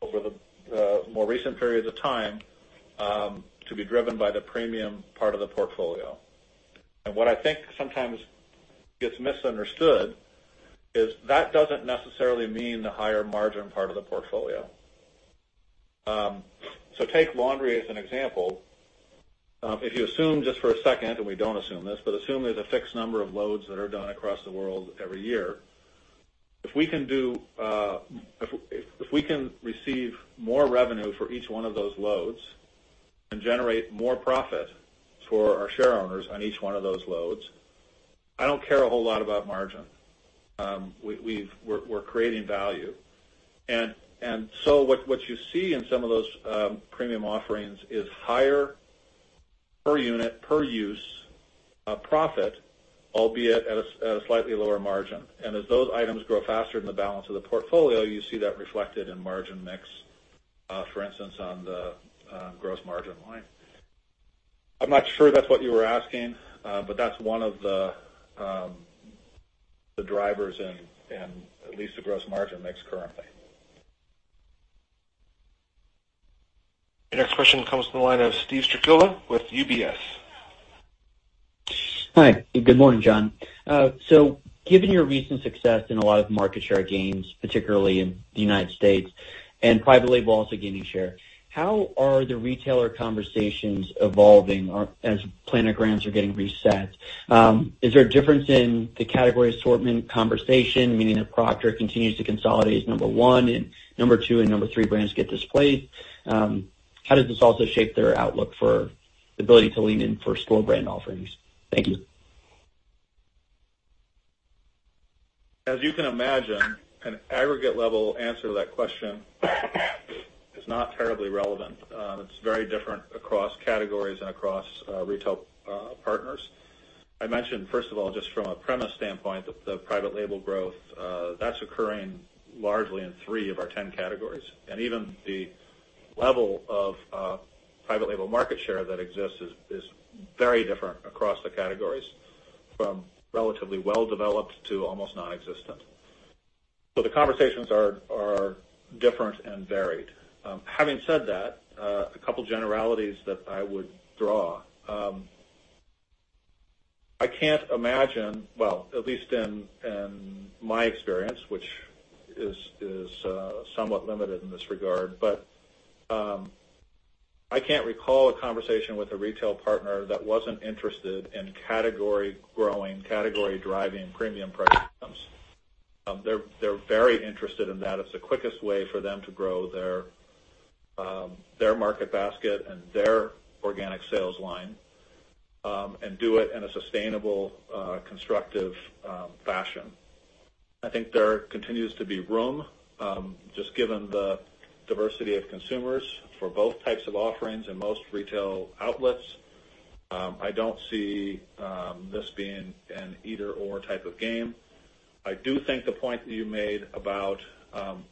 over the more recent periods of time, to be driven by the premium part of the portfolio. What I think sometimes gets misunderstood is that doesn't necessarily mean the higher-margin part of the portfolio. Take laundry as an example. If you assume just for a second, and we don't assume this, but assume there's a fixed number of loads that are done across the world every year. If we can receive more revenue for each one of those loads and generate more profit for our shareowners on each one of those loads, I don't care a whole lot about margin. We're creating value. What you see in some of those premium offerings is higher per unit, per use, profit, albeit at a slightly lower margin. As those items grow faster than the balance of the portfolio, you see that reflected in margin mix, for instance, on the gross margin line. I'm not sure that's what you were asking, but that's one of the drivers in at least the gross margin mix currently. Your next question comes from the line of Steve Strycula with UBS. Hi, good morning, Jon. Given your recent success in a lot of market share gains, particularly in the U.S., and private label also gaining share, how are the retailer conversations evolving as planograms are getting reset? Is there a difference in the category assortment conversation, meaning if Procter continues to consolidate as number one and number two and number three brands get displaced, how does this also shape their outlook for the ability to lean in for store brand offerings? Thank you. As you can imagine, an aggregate level answer to that question is not terribly relevant. It's very different across categories and across retail partners. I mentioned, first of all, just from a premise standpoint, that the private label growth, that's occurring largely in three of our 10 categories. Even the level of private label market share that exists is very different across the categories, from relatively well-developed to almost nonexistent. The conversations are different and varied. Having said that, a couple generalities that I would draw. I can't imagine, well, at least in my experience, which is somewhat limited in this regard, but I can't recall a conversation with a retail partner that wasn't interested in category-growing, category-driving premium price items. They're very interested in that. It's the quickest way for them to grow their market basket and their organic sales line, and do it in a sustainable, constructive fashion. I think there continues to be room, just given the diversity of consumers for both types of offerings in most retail outlets. I don't see this being an either/or type of game. I do think the point that you made about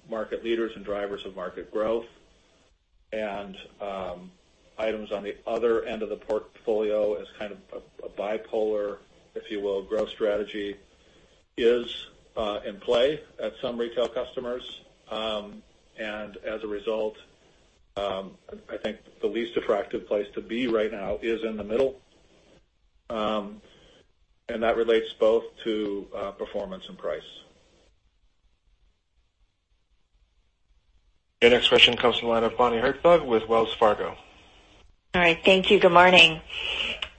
market leaders and drivers of market growth and items on the other end of the portfolio as kind of a bipolar, if you will, growth strategy is in play at some retail customers. As a result, I think the least attractive place to be right now is in the middle. That relates both to performance and price. Your next question comes from the line of Bonnie Herzog with Wells Fargo. All right. Thank you. Good morning.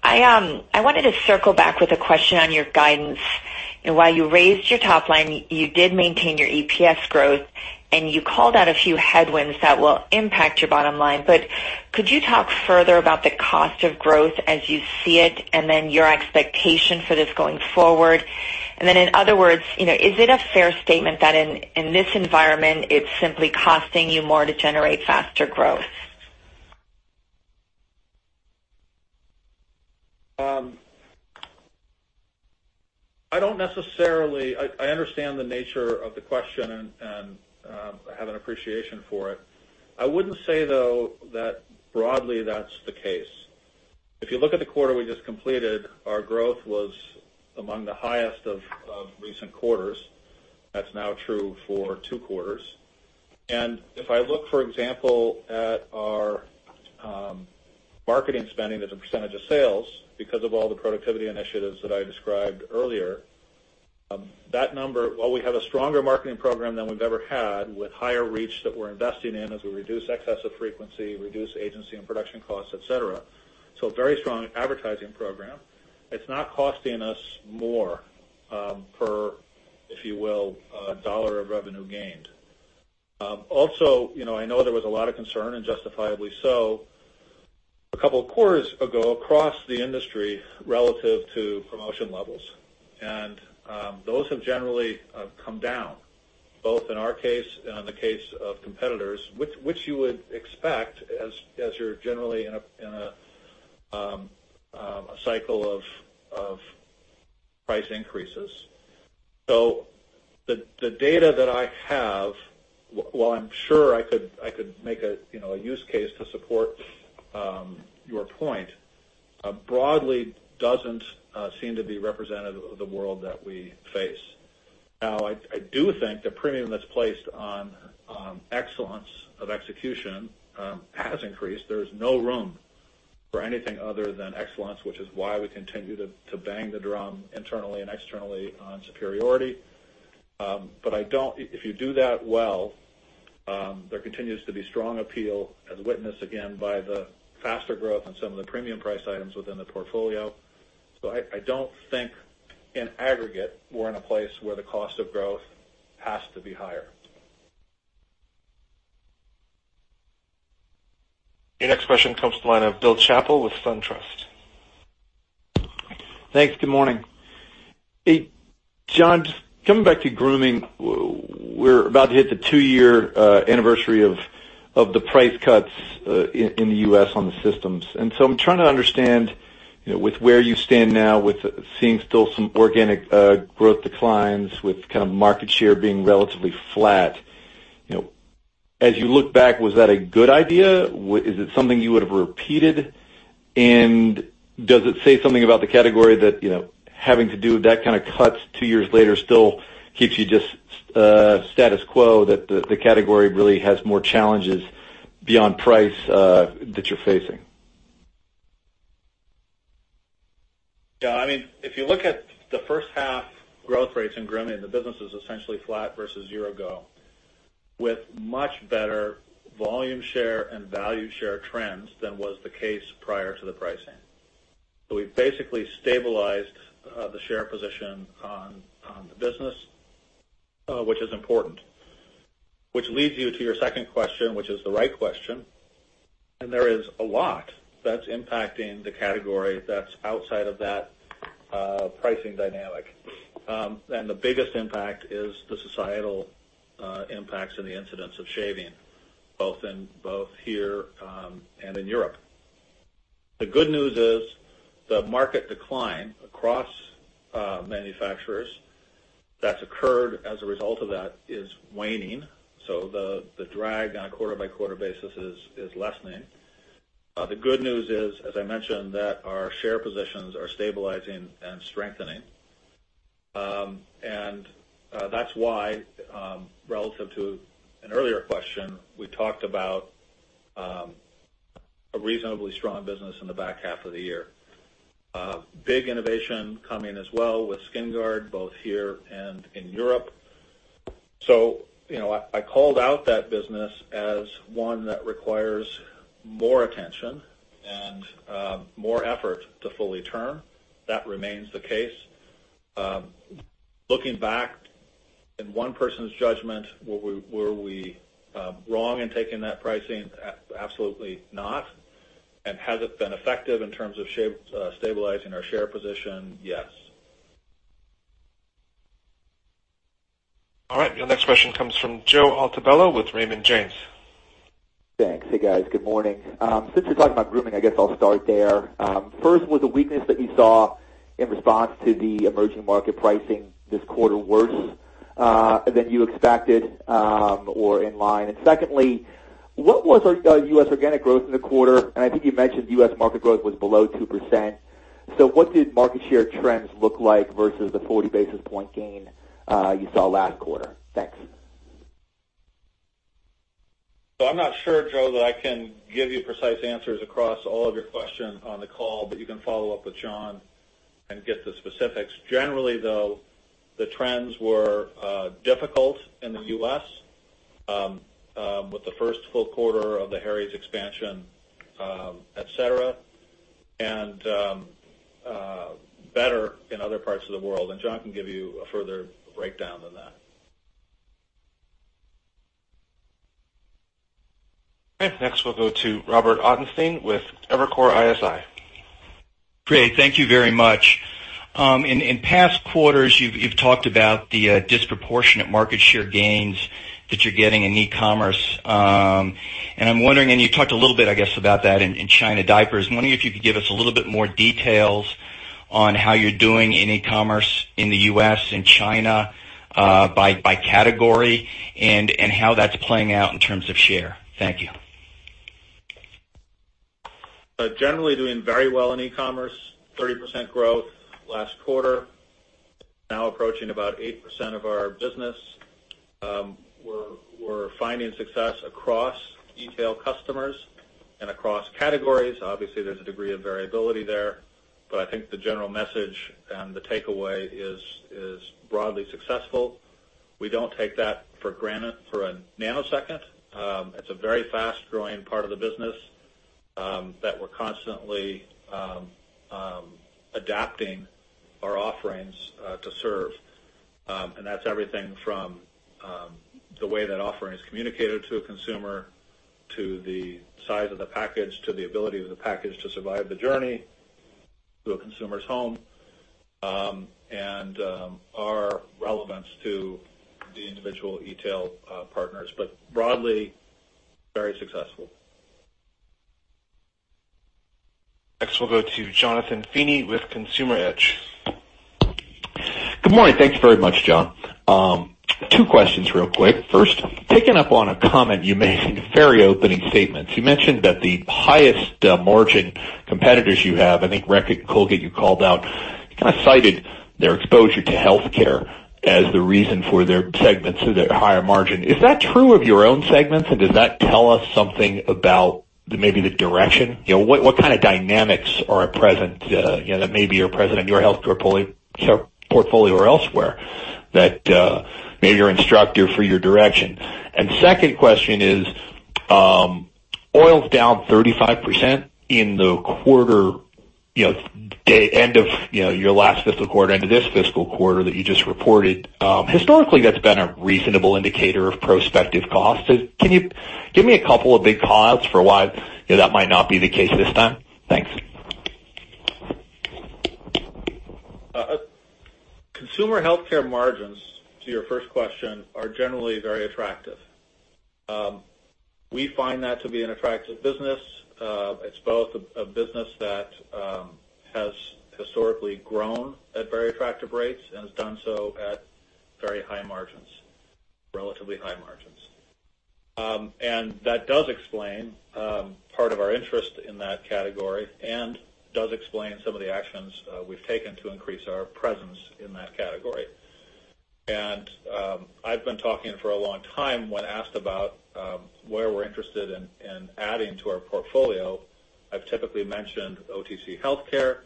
I wanted to circle back with a question on your guidance and why you raised your top line. You did maintain your EPS growth, you called out a few headwinds that will impact your bottom line. Could you talk further about the cost of growth as you see it, then your expectation for this going forward? In other words, is it a fair statement that in this environment, it's simply costing you more to generate faster growth? I understand the nature of the question and have an appreciation for it. I wouldn't say, though, that broadly that's the case. If you look at the quarter we just completed, our growth was among the highest of recent quarters. That's now true for two quarters. If I look, for example, at our marketing spending as a percentage of sales, because of all the productivity initiatives that I described earlier, that number, while we have a stronger marketing program than we've ever had, with higher reach that we're investing in as we reduce excessive frequency, reduce agency and production costs, et cetera. A very strong advertising program. It's not costing us more per, if you will, dollar of revenue gained. Also, I know there was a lot of concern, and justifiably so, a couple of quarters ago across the industry relative to promotion levels. Those have generally come down, both in our case and in the case of competitors, which you would expect as you're generally in a cycle of price increases. The data that I have, while I'm sure I could make a use case to support your point, broadly doesn't seem to be representative of the world that we face. Now, I do think the premium that's placed on excellence of execution has increased. There's no room for anything other than excellence, which is why we continue to bang the drum internally and externally on superiority. If you do that well, there continues to be strong appeal as witnessed, again, by the faster growth on some of the premium price items within the portfolio. I don't think in aggregate, we're in a place where the cost of growth has to be higher. Your next question comes to the line of Bill Chappell with SunTrust. Thanks. Good morning. Hey, Jon, just coming back to grooming, we're about to hit the two-year anniversary of the price cuts in the U.S. on the systems. I'm trying to understand with where you stand now with seeing still some organic growth declines, with market share being relatively flat. As you look back, was that a good idea? Is it something you would have repeated? Does it say something about the category that having to do with that kind of cuts two years later still keeps you just status quo, that the category really has more challenges beyond price that you're facing? Yeah. If you look at the first half growth rates in grooming, the business is essentially flat versus year ago, with much better volume share and value share trends than was the case prior to the pricing. We've basically stabilized the share position on the business, which is important. Which leads you to your second question, which is the right question, there is a lot that's impacting the category that's outside of that pricing dynamic. The biggest impact is the societal impacts and the incidence of shaving, both here and in Europe. The good news is the market decline across manufacturers that's occurred as a result of that is waning. The drag on a quarter-by-quarter basis is lessening. The good news is, as I mentioned, that our share positions are stabilizing and strengthening. That's why, relative to an earlier question, we talked about a reasonably strong business in the back half of the year. Big innovation coming as well with SkinGuard, both here and in Europe. I called out that business as one that requires more attention and more effort to fully turn. That remains the case. Looking back, in one person's judgment, were we wrong in taking that pricing? Absolutely not. Has it been effective in terms of stabilizing our share position? Yes. All right. Your next question comes from Joe Altobello with Raymond James. Thanks. Hey, guys. Good morning. Since we're talking about grooming, I guess I'll start there. First, was the weakness that you saw in response to the emerging market pricing this quarter worse than you expected or in line? Secondly, what was our U.S. organic growth in the quarter? I think you mentioned U.S. market growth was below 2%. What did market share trends look like versus the 40 basis point gain you saw last quarter? Thanks. I'm not sure, Joe, that I can give you precise answers across all of your questions on the call, but you can follow up with Jon and get the specifics. Generally, though, the trends were difficult in the U.S. with the first full quarter of the Harry's expansion, et cetera, and better in other parts of the world. Jon can give you a further breakdown than that. Okay, next we'll go to Robert Ottenstein with Evercore ISI. Great. Thank you very much. In past quarters, you've talked about the disproportionate market share gains that you're getting in e-commerce. I'm wondering, and you talked a little bit, I guess, about that in China diapers, if you could give us a little bit more details on how you're doing in e-commerce in the U.S. and China by category, and how that's playing out in terms of share. Thank you. Generally doing very well in e-commerce, 30% growth last quarter, now approaching about 8% of our business. We're finding success across e-tail customers and across categories. Obviously, there's a degree of variability there, but I think the general message and the takeaway is broadly successful. We don't take that for granted for a nanosecond. It's a very fast-growing part of the business that we're constantly adapting our offerings to serve. That's everything from the way that offering is communicated to a consumer, to the size of the package, to the ability of the package to survive the journey to a consumer's home, and our relevance to the individual e-tail partners. Broadly, very successful. Next, we'll go to Jonathan Feeney with Consumer Edge. Good morning. Thank you very much, Jon. Two questions real quick. First, picking up on a comment you made in the very opening statements, you mentioned that the highest margin competitors you have, I think Reckitt Colgate you called out, you cited their exposure to healthcare as the reason for their segments to their higher margin. Is that true of your own segments, and does that tell us something about maybe the direction? What kind of dynamics are at present that may be are present in your healthcare portfolio or elsewhere that may be instructive for your direction? Second question is, oil's down 35% in the end of your last fiscal quarter into this fiscal quarter that you just reported. Historically, that's been a reasonable indicator of prospective costs. Can you give me a couple of big causes for why that might not be the case this time? Thanks. Consumer healthcare margins, to your first question, are generally very attractive. We find that to be an attractive business. It's both a business that has historically grown at very attractive rates and has done so at very high margins, relatively high margins. That does explain part of our interest in that category and does explain some of the actions we've taken to increase our presence in that category. I've been talking for a long time when asked about where we're interested in adding to our portfolio. I've typically mentioned OTC healthcare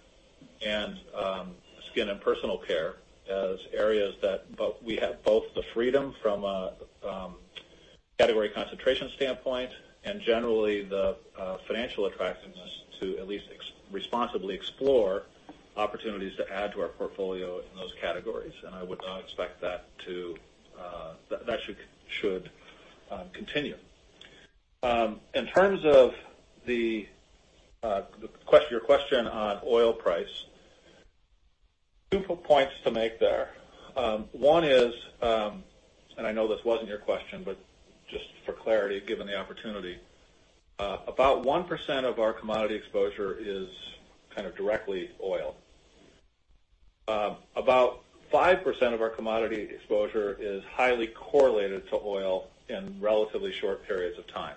and skin and personal care as areas that we have both the freedom from a category concentration standpoint and generally the financial attractiveness to at least responsibly explore opportunities to add to our portfolio in those categories. I would now expect that should continue. In terms of your question on oil price, two points to make there. One is, I know this wasn't your question, but just for clarity, given the opportunity, about 1% of our commodity exposure is kind of directly oil. About 5% of our commodity exposure is highly correlated to oil in relatively short periods of time.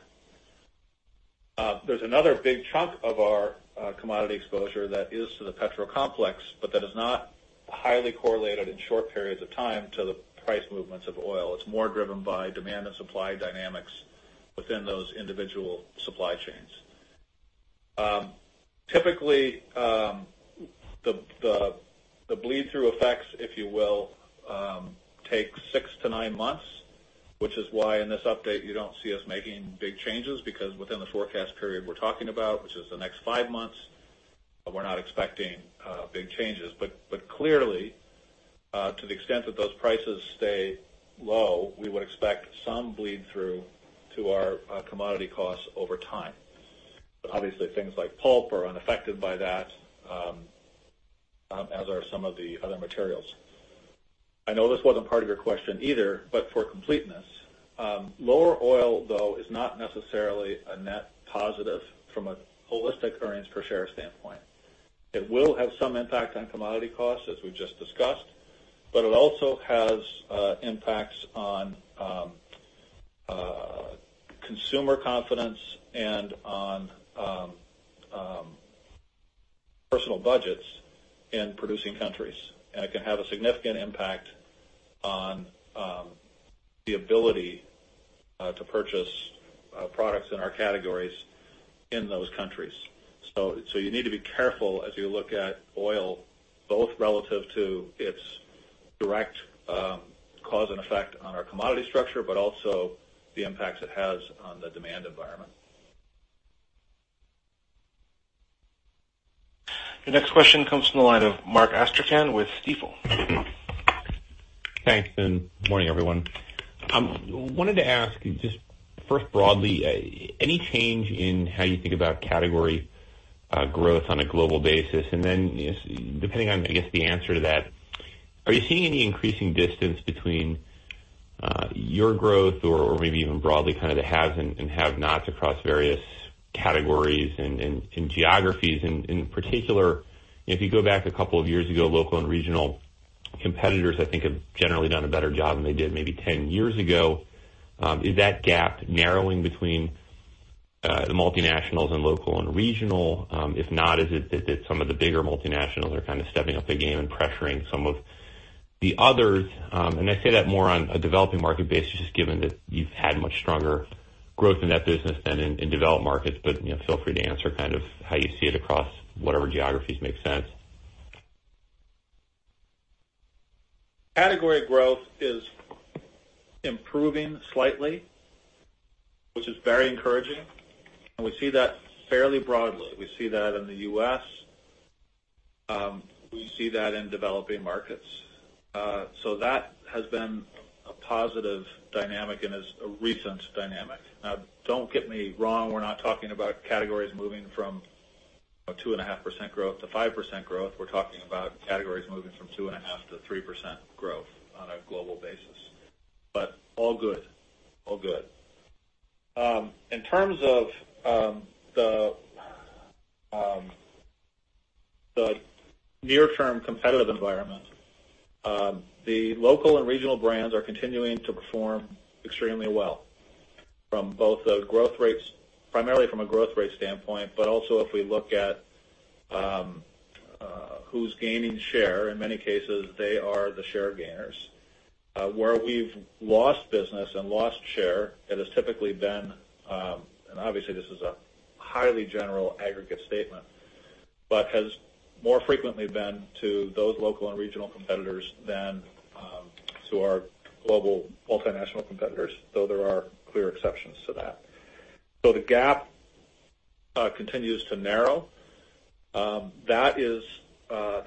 There's another big chunk of our commodity exposure that is to the petrol complex, but that is not highly correlated in short periods of time to the price movements of oil. It's more driven by demand and supply dynamics within those individual supply chains. Typically, the bleed-through effects, if you will, take six to nine months, which is why in this update, you don't see us making big changes because within the forecast period we're talking about, which is the next five months, we're not expecting big changes. Clearly, to the extent that those prices stay low, we would expect some bleed-through to our commodity costs over time. Obviously, things like pulp are unaffected by that, as are some of the other materials. I know this wasn't part of your question either, but for completeness, lower oil, though, is not necessarily a net positive from a holistic earnings per share standpoint. It will have some impact on commodity costs, as we just discussed, but it also has impacts on consumer confidence and on personal budgets in producing countries, and it can have a significant impact on the ability to purchase products in our categories in those countries. You need to be careful as you look at oil, both relative to its direct cause and effect on our commodity structure, but also the impacts it has on the demand environment. Your next question comes from the line of Mark Astrachan with Stifel. Thanks, morning, everyone. I wanted to ask you just first broadly, any change in how you think about category growth on a global basis? Depending on, I guess, the answer to that, are you seeing any increasing distance between your growth or maybe even broadly the haves and have-nots across various categories and geographies. In particular, if you go back a couple of years ago, local and regional competitors, I think, have generally done a better job than they did maybe 10 years ago. Is that gap narrowing between the multinationals and local and regional? If not, is it that some of the bigger multinationals are stepping up their game and pressuring some of the others? I say that more on a developing market basis, just given that you've had much stronger growth in that business than in developed markets. Feel free to answer how you see it across whatever geographies make sense. Category growth is improving slightly, which is very encouraging, and we see that fairly broadly. We see that in the U.S. We see that in developing markets. That has been a positive dynamic and is a recent dynamic. Now, don't get me wrong, we're not talking about categories moving from 2.5% growth to 5% growth. We're talking about categories moving from 2.5% to 3% growth on a global basis. All good. In terms of the near-term competitive environment, the local and regional brands are continuing to perform extremely well, primarily from a growth rate standpoint, but also if we look at who's gaining share. In many cases, they are the share gainers. Where we've lost business and lost share, it has typically been, and obviously this is a highly general aggregate statement, but has more frequently been to those local and regional competitors than to our global multinational competitors, though there are clear exceptions to that. The gap continues to narrow. That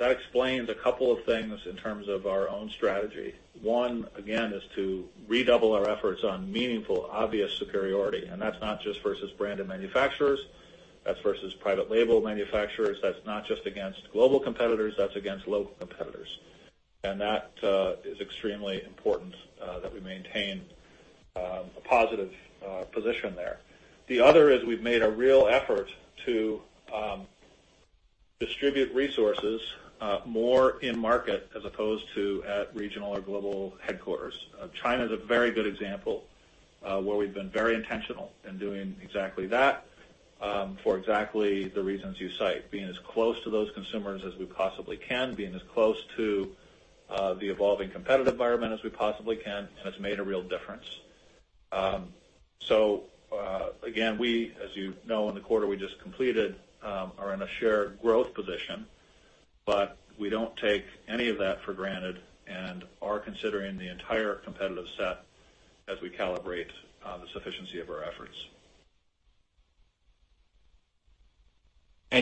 explains a couple of things in terms of our own strategy. One, again, is to redouble our efforts on meaningful, obvious superiority, and that's not just versus branded manufacturers, that's versus private label manufacturers. That's not just against global competitors, that's against local competitors. That is extremely important that we maintain a positive position there. The other is we've made a real effort to distribute resources more in-market as opposed to at regional or global headquarters. China's a very good example where we've been very intentional in doing exactly that for exactly the reasons you cite. Being as close to those consumers as we possibly can, being as close to the evolving competitive environment as we possibly can, it's made a real difference. Again, we, as you know, in the quarter we just completed, are in a shared growth position, but we don't take any of that for granted and are considering the entire competitive set as we calibrate the sufficiency of our efforts.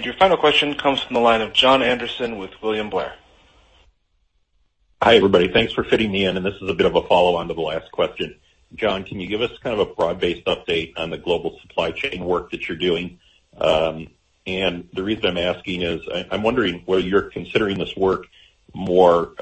Your final question comes from the line of Jon Andersen with William Blair. Hi, everybody. Thanks for fitting me in, this is a bit of a follow-on to the last question. Jon, can you give us a broad-based update on the global supply chain work that you're doing? The reason I'm asking is, I'm wondering whether you're considering this work more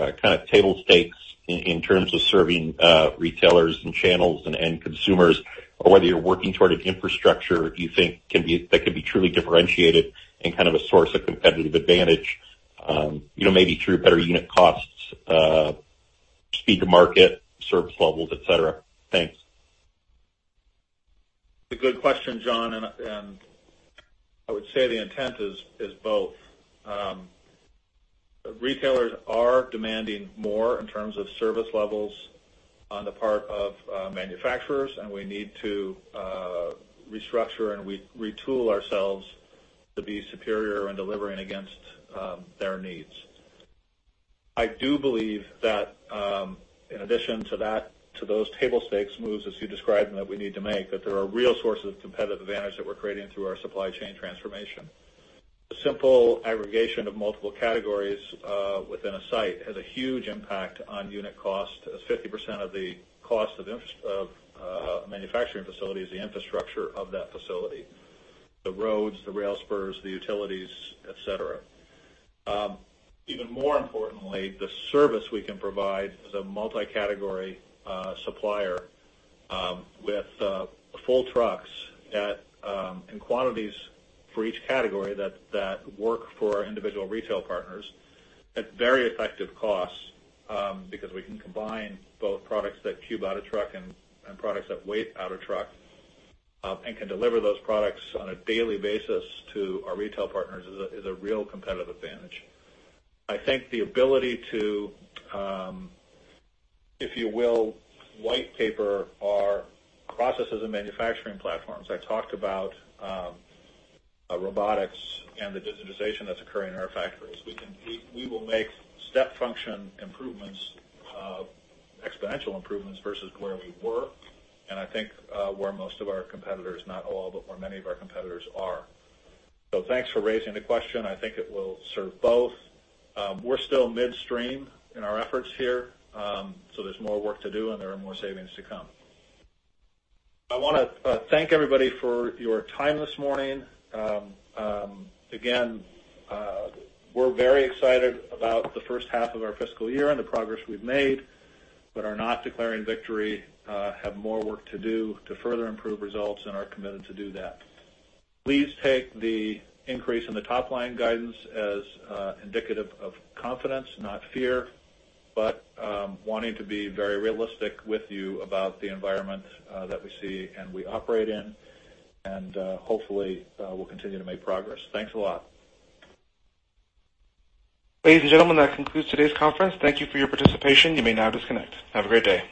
table stakes in terms of serving retailers and channels and end consumers, or whether you're working toward an infrastructure you think that can be truly differentiated and a source of competitive advantage maybe through better unit costs, speed to market, service levels, et cetera. Thanks. It's a good question, Jon, I would say the intent is both. Retailers are demanding more in terms of service levels on the part of manufacturers, we need to restructure and retool ourselves to be superior in delivering against their needs. I do believe that in addition to those table stakes moves, as you described them, that we need to make, that there are real sources of competitive advantage that we're creating through our supply chain transformation. A simple aggregation of multiple categories within a site has a huge impact on unit cost. 50% of the cost of manufacturing facility is the infrastructure of that facility, the roads, the rail spurs, the utilities, et cetera. Even more importantly, the service we can provide as a multi-category supplier with full trucks in quantities for each category that work for our individual retail partners at very effective costs because we can combine both products that cube out a truck and products that weight out a truck and can deliver those products on a daily basis to our retail partners is a real competitive advantage. I think the ability to, if you will, white paper our processes and manufacturing platforms. I talked about robotics and the digitization that's occurring in our factories. We will make step function improvements, exponential improvements versus where we were, and I think where most of our competitors, not all, but where many of our competitors are. Thanks for raising the question. I think it will serve both. We're still midstream in our efforts here. There's more work to do and there are more savings to come. I want to thank everybody for your time this morning. We're very excited about the first half of our fiscal year and the progress we've made, but are not declaring victory, have more work to do to further improve results and are committed to do that. Please take the increase in the top-line guidance as indicative of confidence, not fear, but wanting to be very realistic with you about the environment that we see and we operate in, and hopefully, we'll continue to make progress. Thanks a lot. Ladies and gentlemen, that concludes today's conference. Thank you for your participation. You may now disconnect. Have a great day.